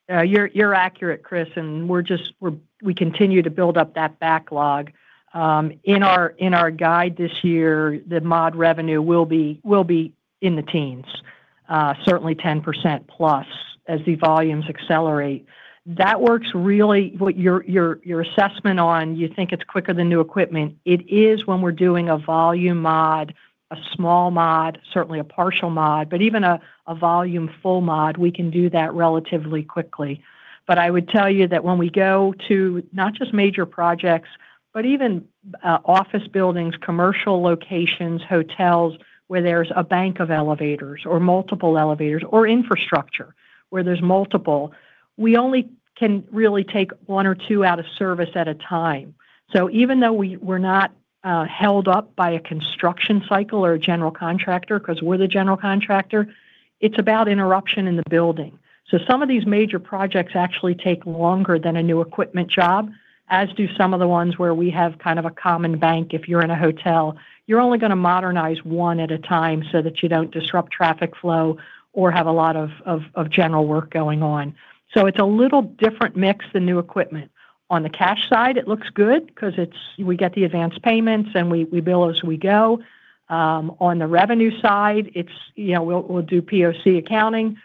Yeah, you're accurate, Chris, and we continue to build up that backlog. In our guide this year, the mod revenue will be in the teens, certainly 10%+, as the volumes accelerate. That works really what your assessment on you think it's quicker than new equipment. It is when we're doing a volume mod, a small mod, certainly a partial mod, but even a volume full mod, we can do that relatively quickly. But I would tell you that when we go to not just major projects, but even office buildings, commercial locations, hotels, where there's a bank of elevators or multiple elevators or infrastructure, where there's multiple, we only can really take one or two out of service at a time. So even though we're not held up by a construction cycle or a general contractor, 'cause we're the general contractor, it's about interruption in the building. So some of these major projects actually take longer than a new equipment job, as do some of the ones where we have kind of a common bank. If you're in a hotel, you're only gonna modernize one at a time so that you don't disrupt traffic flow or have a lot of general work going on. So it's a little different mix than new equipment. On the cash side, it looks good 'cause it's we get the advanced payments, and we bill as we go. On the revenue side, it's, you know, we'll do POC accounting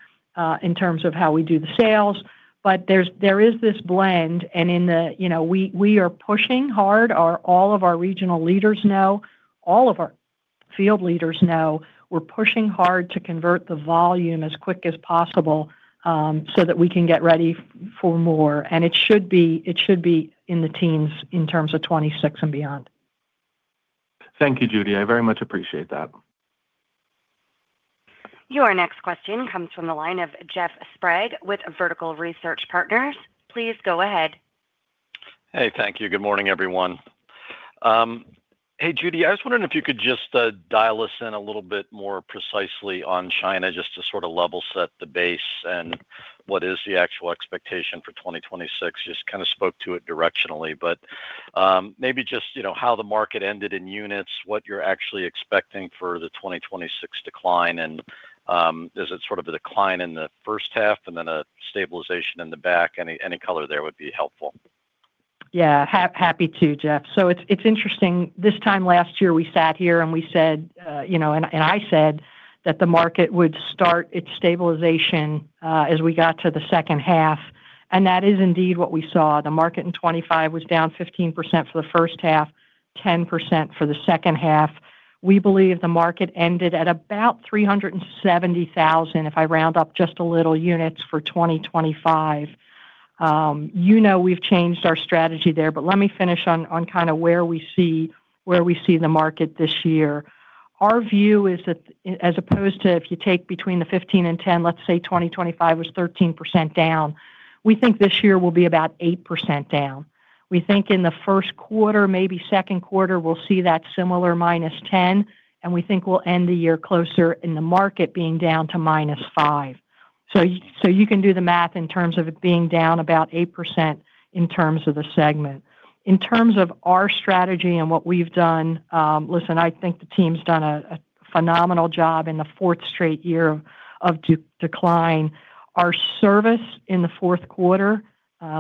in terms of how we do the sales. But there's this blend, and in the, you know, we are pushing hard. All of our regional leaders know, all of our field leaders know we're pushing hard to convert the volume as quick as possible, so that we can get ready for more. And it should be in the teens in terms of 2026 and beyond. Thank you, Judy. I very much appreciate that. Your next question comes from the line of Jeff Sprague with Vertical Research Partners. Please go ahead. Hey, thank you. Good morning, everyone. Hey, Judy, I was wondering if you could just dial us in a little bit more precisely on China, just to sort of level set the base and what is the actual expectation for 2026. Just kind of spoke to it directionally, but maybe just, you know, how the market ended in units, what you're actually expecting for the 2026 decline, and is it sort of a decline in the first half and then a stabilization in the back? Any color there would be helpful. Yeah. Happy to, Jeff. So it's interesting. This time last year, we sat here and we said, you know, and I said that the market would start its stabilization as we got to the second half, and that is indeed what we saw. The market in 2025 was down 15% for the first half, 10% for the second half. We believe the market ended at about 370,000, if I round up just a little, units for 2025. You know, we've changed our strategy there, but let me finish on kind of where we see the market this year. Our view is that as opposed to if you take between the 15 and 10, let's say 2025 was 13% down, we think this year will be about 8% down. We think in the first quarter, maybe second quarter, we'll see that similar -10%, and we think we'll end the year closer in the market being down to -5%. So you can do the math in terms of it being down about 8% in terms of the segment. In terms of our strategy and what we've done, listen, I think the team's done a phenomenal job in the fourth straight year of decline. Our service in the fourth quarter,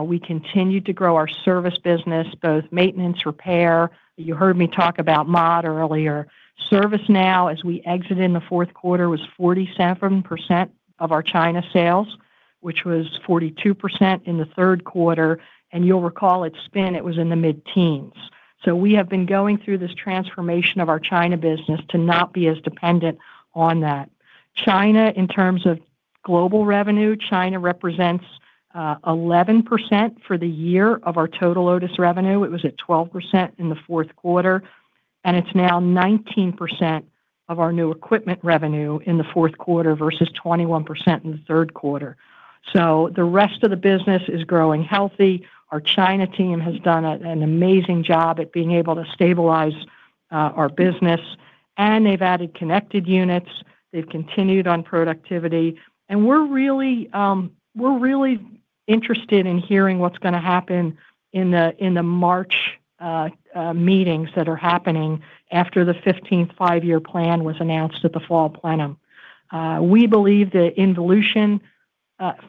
we continued to grow our service business, both maintenance, repair. You heard me talk about mod earlier. Service now, as we exit in the fourth quarter, was 47% of our China sales, which was 42% in the third quarter, and you'll recall at spin, it was in the mid-teens. So we have been going through this transformation of our China business to not be as dependent on that. China, in terms of global revenue, China represents 11% for the year of our total Otis revenue. It was at 12% in the fourth quarter, and it's now 19% of our new equipment revenue in the fourth quarter versus 21% in the third quarter. So the rest of the business is growing healthy. Our China team has done an amazing job at being able to stabilize our business, and they've added connected units. They've continued on productivity, and we're really, we're really interested in hearing what's gonna happen in the March meetings that are happening after the Fifteenth Five-Year Plan was announced at the Fall Plenum. We believe the involution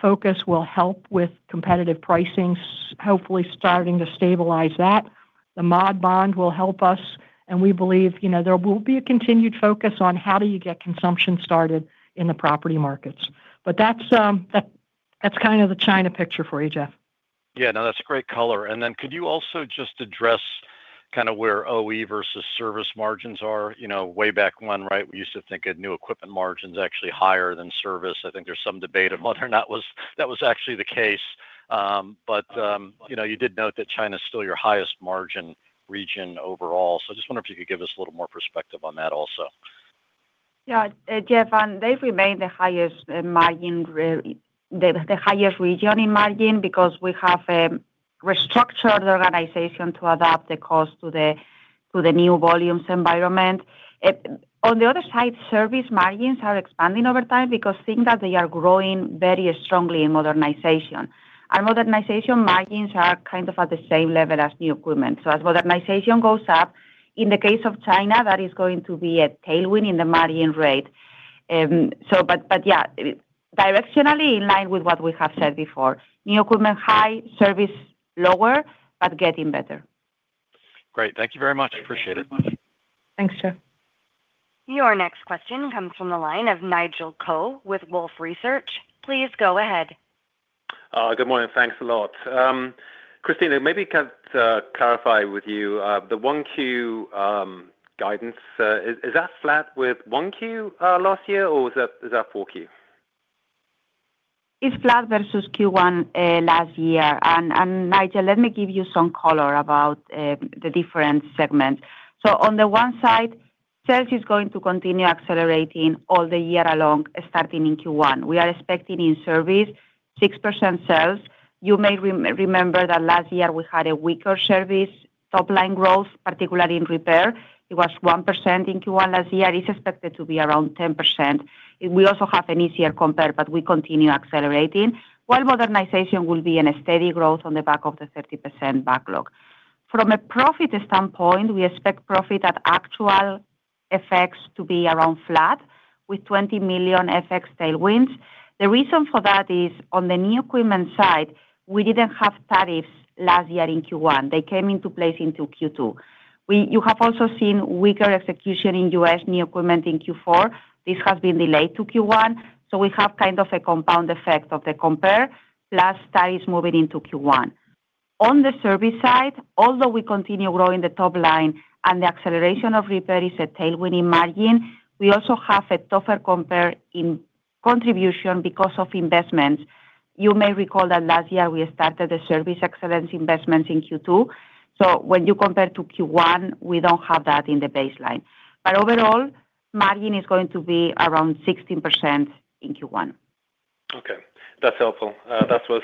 focus will help with competitive pricing, hopefully starting to stabilize that. The Mod bond will help us, and we believe, you know, there will be a continued focus on how do you get consumption started in the property markets. But that's, that, that's kind of the China picture for you, Jeff. Yeah. No, that's a great color. And then could you also just address kind of where OE versus service margins are? You know, way back when, right, we used to think of new equipment margins actually higher than service. I think there's some debate of whether or not that was, that was actually the case. But you know, you did note that China's still your highest margin region overall. So I just wonder if you could give us a little more perspective on that also. Yeah, Jeff, and they've remained the highest margin, the highest region in margin because we have restructured the organization to adapt the cost to the new volumes environment. On the other side, service margins are expanding over time because things that they are growing very strongly in modernization. Our modernization margins are kind of at the same level as new equipment. So as modernization goes up, in the case of China, that is going to be a tailwind in the margin rate. So but, but yeah, directionally in line with what we have said before, new equipment high, service lower, but getting better. Great. Thank you very much. Appreciate it. Thanks, Jeff. Your next question comes from the line of Nigel Coe with Wolfe Research. Please go ahead. Good morning. Thanks a lot. Cristina, maybe can clarify with you, the 1Q guidance, is that flat with 1Q last year, or is that 4Q? It's flat versus Q1 last year. Nigel, let me give you some color about the different segments. So on the one side, sales is going to continue accelerating all year long, starting in Q1. We are expecting 6% sales in service. You may remember that last year we had a weaker service top-line growth, particularly in repair. It was 1% in Q1 last year. It's expected to be around 10%. We also have an easier compare, but we continue accelerating, while modernization will be in a steady growth on the back of the 30% backlog. From a profit standpoint, we expect adjusted operating profit to be around flat, with $20 million FX tailwinds. The reason for that is, on the new equipment side, we didn't have tariffs last year in Q1. They came into place in Q2. You have also seen weaker execution in U.S. new equipment in Q4. This has been delayed to Q1, so we have kind of a compound effect of the compare, plus tariffs moving into Q1. On the service side, although we continue growing the top line and the acceleration of repair is a tailwind in margin, we also have a tougher compare in contribution because of investments. You may recall that last year we started a service excellence investment in Q2. So when you compare to Q1, we don't have that in the baseline. But overall, margin is going to be around 16% in Q1. Okay, that's helpful. That was,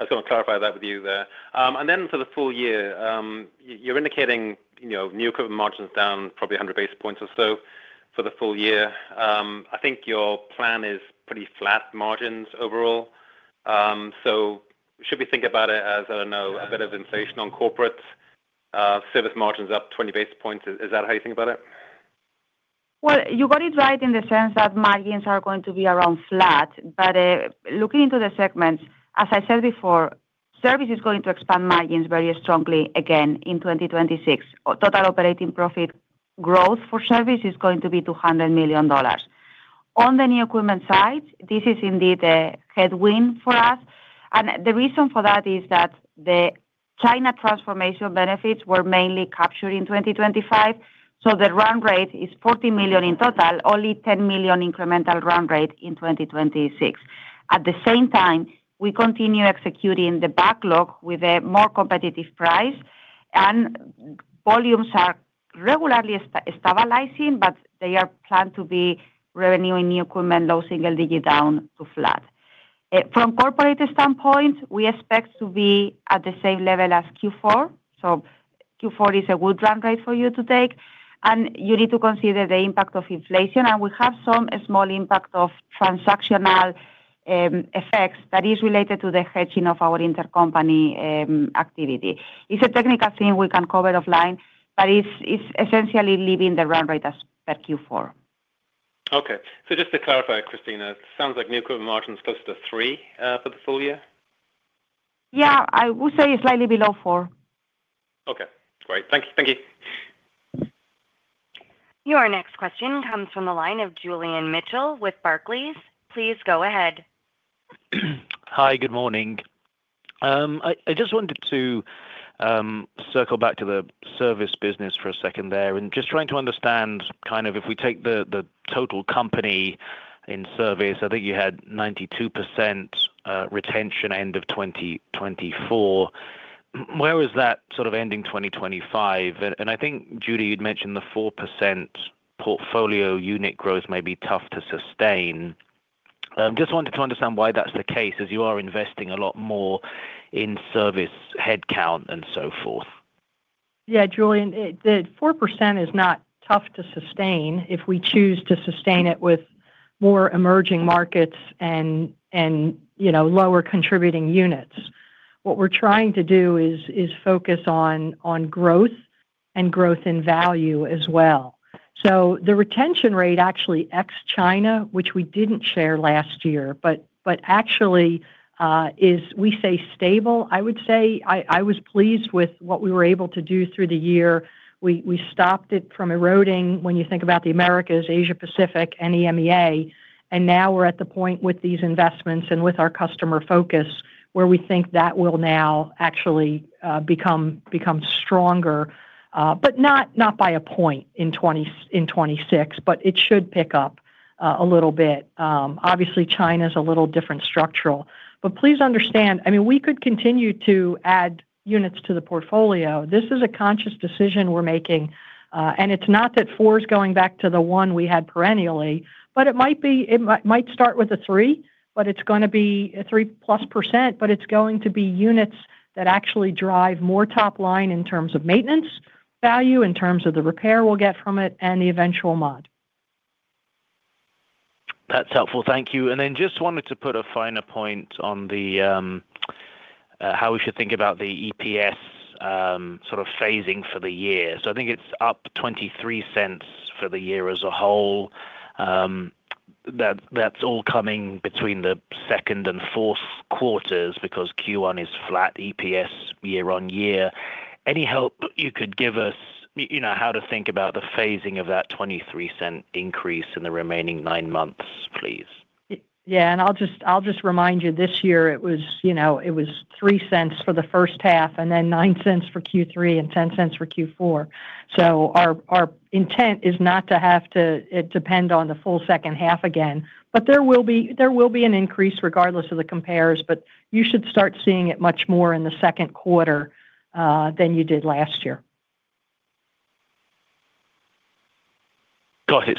I was going to clarify that with you there. And then for the full year, you're indicating, you know, new equipment margins down probably 100 basis points or so for the full year. I think your plan is pretty flat margins overall. So should we think about it as, I don't know, a bit of inflation on corporate, service margins up 20 basis points? Is that how you think about it? Well, you got it right in the sense that margins are going to be around flat. But, looking into the segments, as I said before, service is going to expand margins very strongly again in 2026. Total operating profit growth for service is going to be $200 million. On the new equipment side, this is indeed a headwind for us, and the reason for that is that the China transformation benefits were mainly captured in 2025, so the run rate is $40 million in total, only $10 million incremental run rate in 2026. At the same time, we continue executing the backlog with a more competitive price, and volumes are regularly stabilizing, but they are planned to be revenue in new equipment, low single digit down to flat. From corporate standpoint, we expect to be at the same level as Q4, so Q4 is a good run rate for you to take, and you need to consider the impact of inflation. And we have some small impact of transactional effects that is related to the hedging of our intercompany activity. It's a technical thing we can cover offline, but it's essentially leaving the run rate as per Q4. Okay. So just to clarify, Christina, it sounds like new equipment margin is closer to three for the full year? Yeah, I would say slightly below 4. Okay, great. Thank you. Thank you. Your next question comes from the line of Julian Mitchell with Barclays. Please go ahead. Hi, good morning. I just wanted to circle back to the service business for a second there, and just trying to understand kind of, if we take the total company in service, I think you had 92% retention end of 2024. Where was that sort of ending 2025? And I think, Judy, you'd mentioned the 4% portfolio unit growth may be tough to sustain. Just wanted to understand why that's the case, as you are investing a lot more in service headcount and so forth. Yeah, Julian, the 4% is not tough to sustain if we choose to sustain it with more emerging markets and, you know, lower contributing units. What we're trying to do is focus on growth and growth in value as well. So the retention rate, actually, ex China, which we didn't share last year, but actually, is, we say, stable. I would say I was pleased with what we were able to do through the year. We stopped it from eroding when you think about the Americas, Asia-Pacific, and EMEA, and now we're at the point with these investments and with our customer focus, where we think that will now actually become stronger, but not by a point in 2026, but it should pick up a little bit. Obviously, China's a little different structural. But please understand, I mean, we could continue to add units to the portfolio. This is a conscious decision we're making, and it's not that 4 is going back to the 1 we had perennially, but it might start with a 3, but it's gonna be a 3+%, but it's going to be units that actually drive more top line in terms of maintenance, value in terms of the repair we'll get from it, and the eventual mod. That's helpful. Thank you. And then just wanted to put a finer point on the, how we should think about the EPS, sort of phasing for the year. So I think it's up $0.23 for the year as a whole. That's all coming between the second and fourth quarters because Q1 is flat EPS year-over-year. Any help you could give us, you know, how to think about the phasing of that $0.23 increase in the remaining nine months, please? Yeah, and I'll just remind you, this year, it was, you know, it was $0.03 for the first half and then $0.09 for Q3 and $0.10 for Q4. So our intent is not to have to depend on the full second half again, but there will be an increase regardless of the compares, but you should start seeing it much more in the second quarter than you did last year. Got it.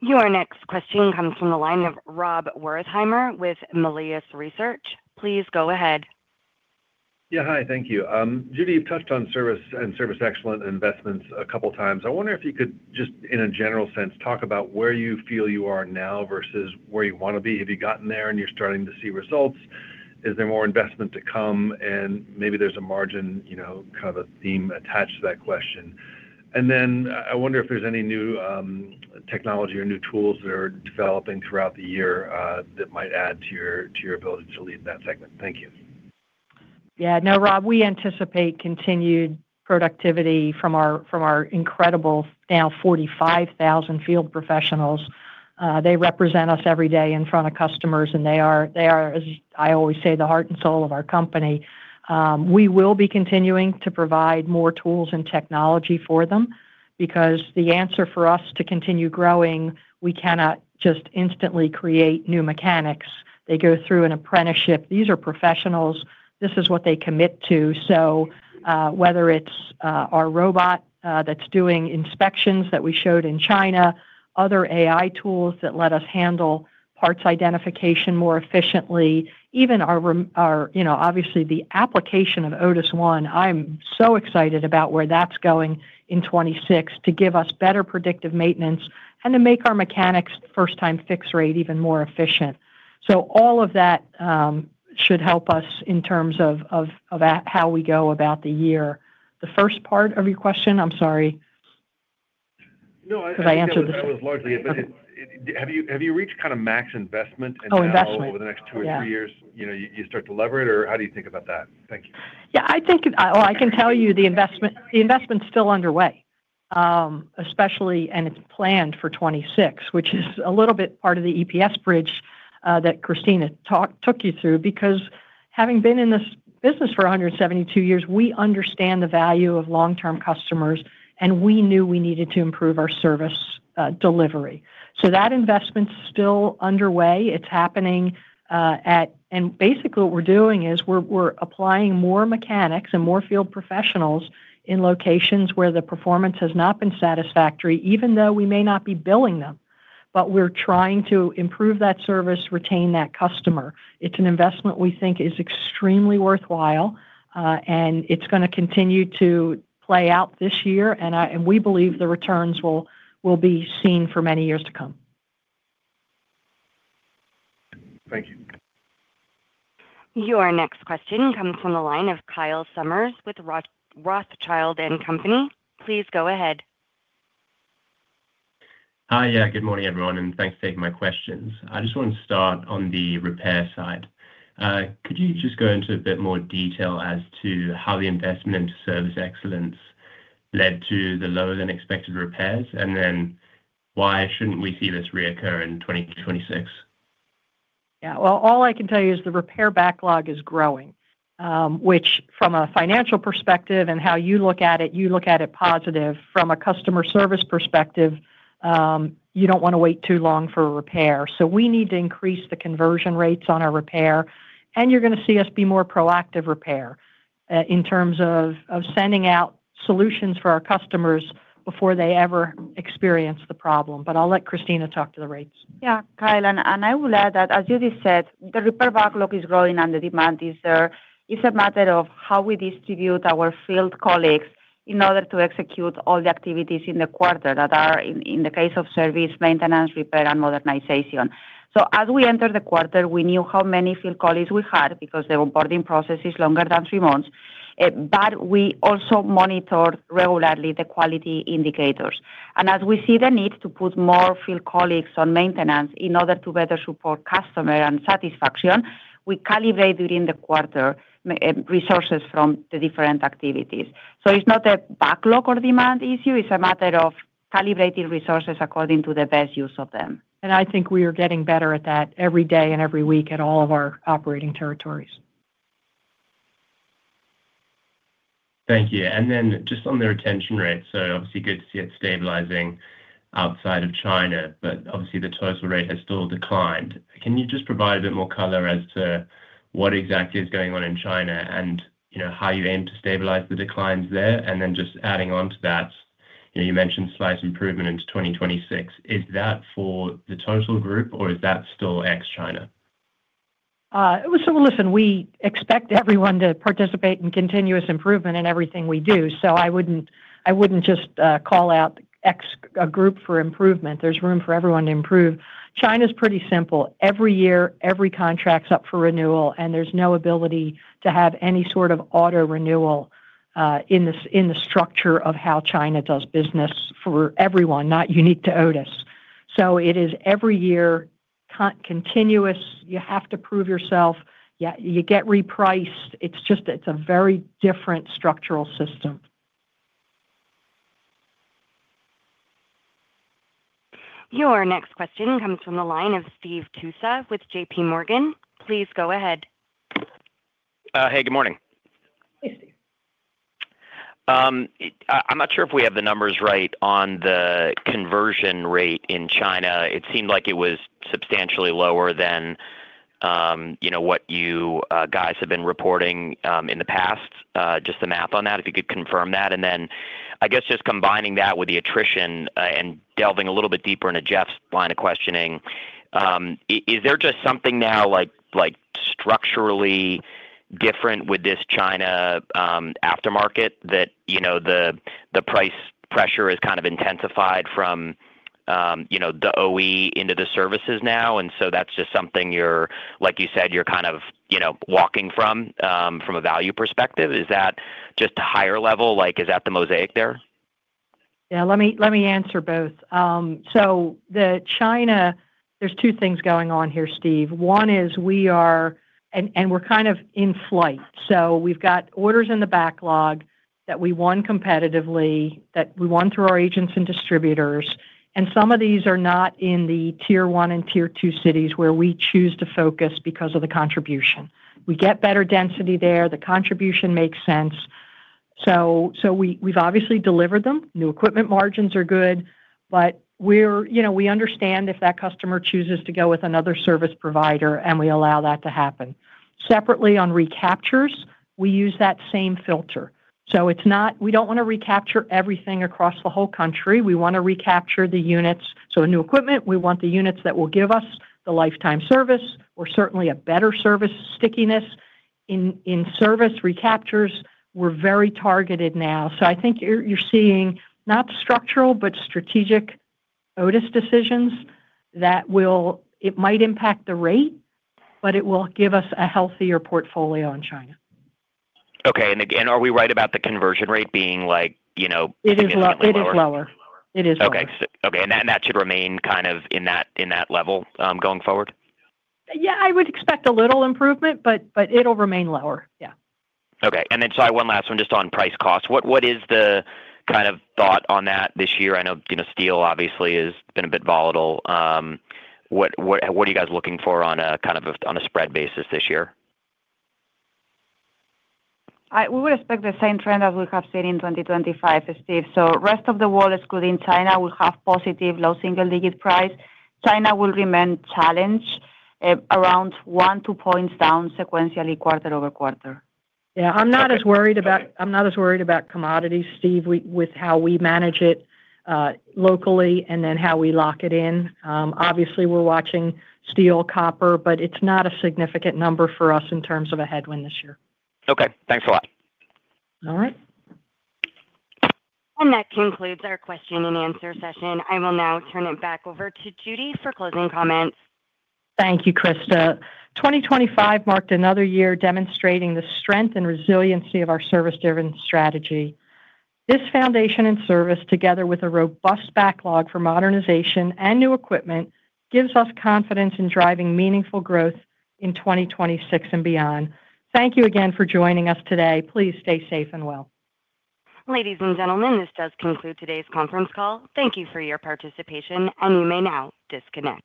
Your next question comes from the line of Rob Wertheimer with Melius Research. Please go ahead. Yeah. Hi, thank you. Judy, you've touched on service and service excellence investments a couple of times. I wonder if you could just, in a general sense, talk about where you feel you are now versus where you wanna be. Have you gotten there and you're starting to see results? Is there more investment to come? And maybe there's a margin, you know, kind of a theme attached to that question. And then I wonder if there's any new technology or new tools that are developing throughout the year that might add to your ability to lead that segment. Thank you. Yeah. No, Rob, we anticipate continued productivity from our incredible now 45,000 field professionals. They represent us every day in front of customers, and they are, as I always say, the heart and soul of our company. We will be continuing to provide more tools and technology for them because the answer for us to continue growing, we cannot just instantly create new mechanics. They go through an apprenticeship. These are professionals. This is what they commit to. So, whether it's our robot that's doing inspections that we showed in China, other AI tools that let us handle parts identification more efficiently, even our, you know, obviously, the application of Otis ONE, I'm so excited about where that's going in 2026 to give us better predictive maintenance and to make our mechanics first-time fix rate even more efficient. So all of that should help us in terms of how we go about the year. The first part of your question, I'm sorry. No, I- 'Cause I answered the- That was largely it. But it's... Have you reached kind of max investment? Oh, investment -over the next two or three years? Yeah. You know, you start to lever it, or how do you think about that? Thank you. Yeah, I think, well, I can tell you, the investment, the investment's still underway, especially, and it's planned for 2026, which is a little bit part of the EPS bridge, that Cristina took you through. Because having been in this business for 172 years, we understand the value of long-term customers, and we knew we needed to improve our service delivery. So that investment's still underway. It's happening, at... And basically, what we're doing is we're applying more mechanics and more field professionals in locations where the performance has not been satisfactory, even though we may not be billing them, but we're trying to improve that service, retain that customer. It's an investment we think is extremely worthwhile, and it's gonna continue to play out this year, and we believe the returns will be seen for many years to come. Thank you. Your next question comes from the line of Kyle Summers with Rothschild & Co. Please go ahead. Hi. Yeah, good morning, everyone, and thanks for taking my questions. I just want to start on the repair side. Could you just go into a bit more detail as to how the investment into service excellence led to the lower-than-expected repairs, and then why shouldn't we see this reoccur in 2026? Yeah. Well, all I can tell you is the repair backlog is growing, which, from a financial perspective and how you look at it, you look at it positive. From a customer service perspective, you don't want to wait too long for a repair. So we need to increase the conversion rates on our repair, and you're gonna see us be more proactive repair, in terms of sending out solutions for our customers before they ever experience the problem. But I'll let Cristina talk to the rates. Yeah, Kyle, and I will add that, as Judy said, the repair backlog is growing and the demand is there. It's a matter of how we distribute our field colleagues in order to execute all the activities in the quarter that are in the case of service, maintenance, repair, and modernization. So as we enter the quarter, we knew how many field colleagues we had because the onboarding process is longer than three months. But we also monitored regularly the quality indicators. And as we see the need to put more field colleagues on maintenance in order to better support customer and satisfaction, we calibrate during the quarter, resources from the different activities. So it's not a backlog or demand issue, it's a matter of calibrating resources according to the best use of them. I think we are getting better at that every day and every week at all of our operating territories. Thank you. And then just on the retention rates, so obviously good to see it stabilizing outside of China, but obviously, the total rate has still declined. Can you just provide a bit more color as to what exactly is going on in China and, you know, how you aim to stabilize the declines there? And then just adding on to that, you know, you mentioned slight improvement into 2026. Is that for the total group, or is that still ex-China? So listen, we expect everyone to participate in continuous improvement in everything we do, so I wouldn't, I wouldn't just call out a group for improvement. There's room for everyone to improve. China's pretty simple. Every year, every contract's up for renewal, and there's no ability to have any sort of auto renewal in the structure of how China does business for everyone, not unique to Otis. So it is every year continuous. You have to prove yourself. Yeah, you get repriced. It's just, it's a very different structural system. Your next question comes from the line of Steve Tusa with JPMorgan. Please go ahead. Hey, good morning. Hey, Steve. I'm not sure if we have the numbers right on the conversion rate in China. It seemed like it was substantially lower than, you know, what you guys have been reporting in the past. Just a math on that, if you could confirm that. And then, I guess, just combining that with the attrition, and delving a little bit deeper into Jeff's line of questioning, is there just something now, like, structurally different with this China aftermarket, that, you know, the price pressure is kind of intensified from, you know, the OE into the services now, and so that's just something you're—like you said, you're kind of, you know, walking from a value perspective? Is that just a higher level, like, is that the mosaic there? Yeah, let me, let me answer both. So there's two things going on here, Steve. One is we are and we're kind of in flight, so we've got orders in the backlog that we won competitively, that we won through our agents and distributors, and some of these are not in the tier one and tier two cities where we choose to focus because of the contribution. We get better density there, the contribution makes sense. So we've obviously delivered them. New equipment margins are good, but we're, you know, we understand if that customer chooses to go with another service provider, and we allow that to happen. Separately, on recaptures, we use that same filter, so it's not, we don't wanna recapture everything across the whole country. We wanna recapture the units. So in new equipment, we want the units that will give us the lifetime service or certainly a better service stickiness. In, in service recaptures, we're very targeted now. So I think you're, you're seeing not structural, but strategic Otis decisions that will... It might impact the rate, but it will give us a healthier portfolio in China. Okay, and again, are we right about the conversion rate being like, you know, significantly lower? It is lower. It is lower. Okay. Okay, and that should remain kind of in that, in that level, going forward? Yeah, I would expect a little improvement, but, but it'll remain lower. Yeah. Okay, and then, sorry, one last one, just on price cost. What is the kind of thought on that this year? I know, you know, steel obviously has been a bit volatile but what are you guys looking for on the kind of spread basis this year? We would expect the same trend as we have seen in 2025, Steve. So rest of the world is good. In China, we have positive low single-digit price. China will remain challenged, around 1-2 points down sequentially, quarter-over-quarter. Yeah, I'm not as worried about commodities, Steve, we with how we manage it locally and then how we lock it in. Obviously, we're watching steel, copper, but it's not a significant number for us in terms of a headwind this year. Okay, thanks a lot. All right. That concludes our question and answer session. I will now turn it back over to Judy for closing comments. Thank you, Krista. 2025 marked another year demonstrating the strength and resiliency of our service-driven strategy. This foundation and service, together with a robust backlog for modernization and new equipment, gives us confidence in driving meaningful growth in 2026 and beyond. Thank you again for joining us today. Please stay safe and well. Ladies and gentlemen, this does conclude today's conference call. Thank you for your participation, and you may now disconnect.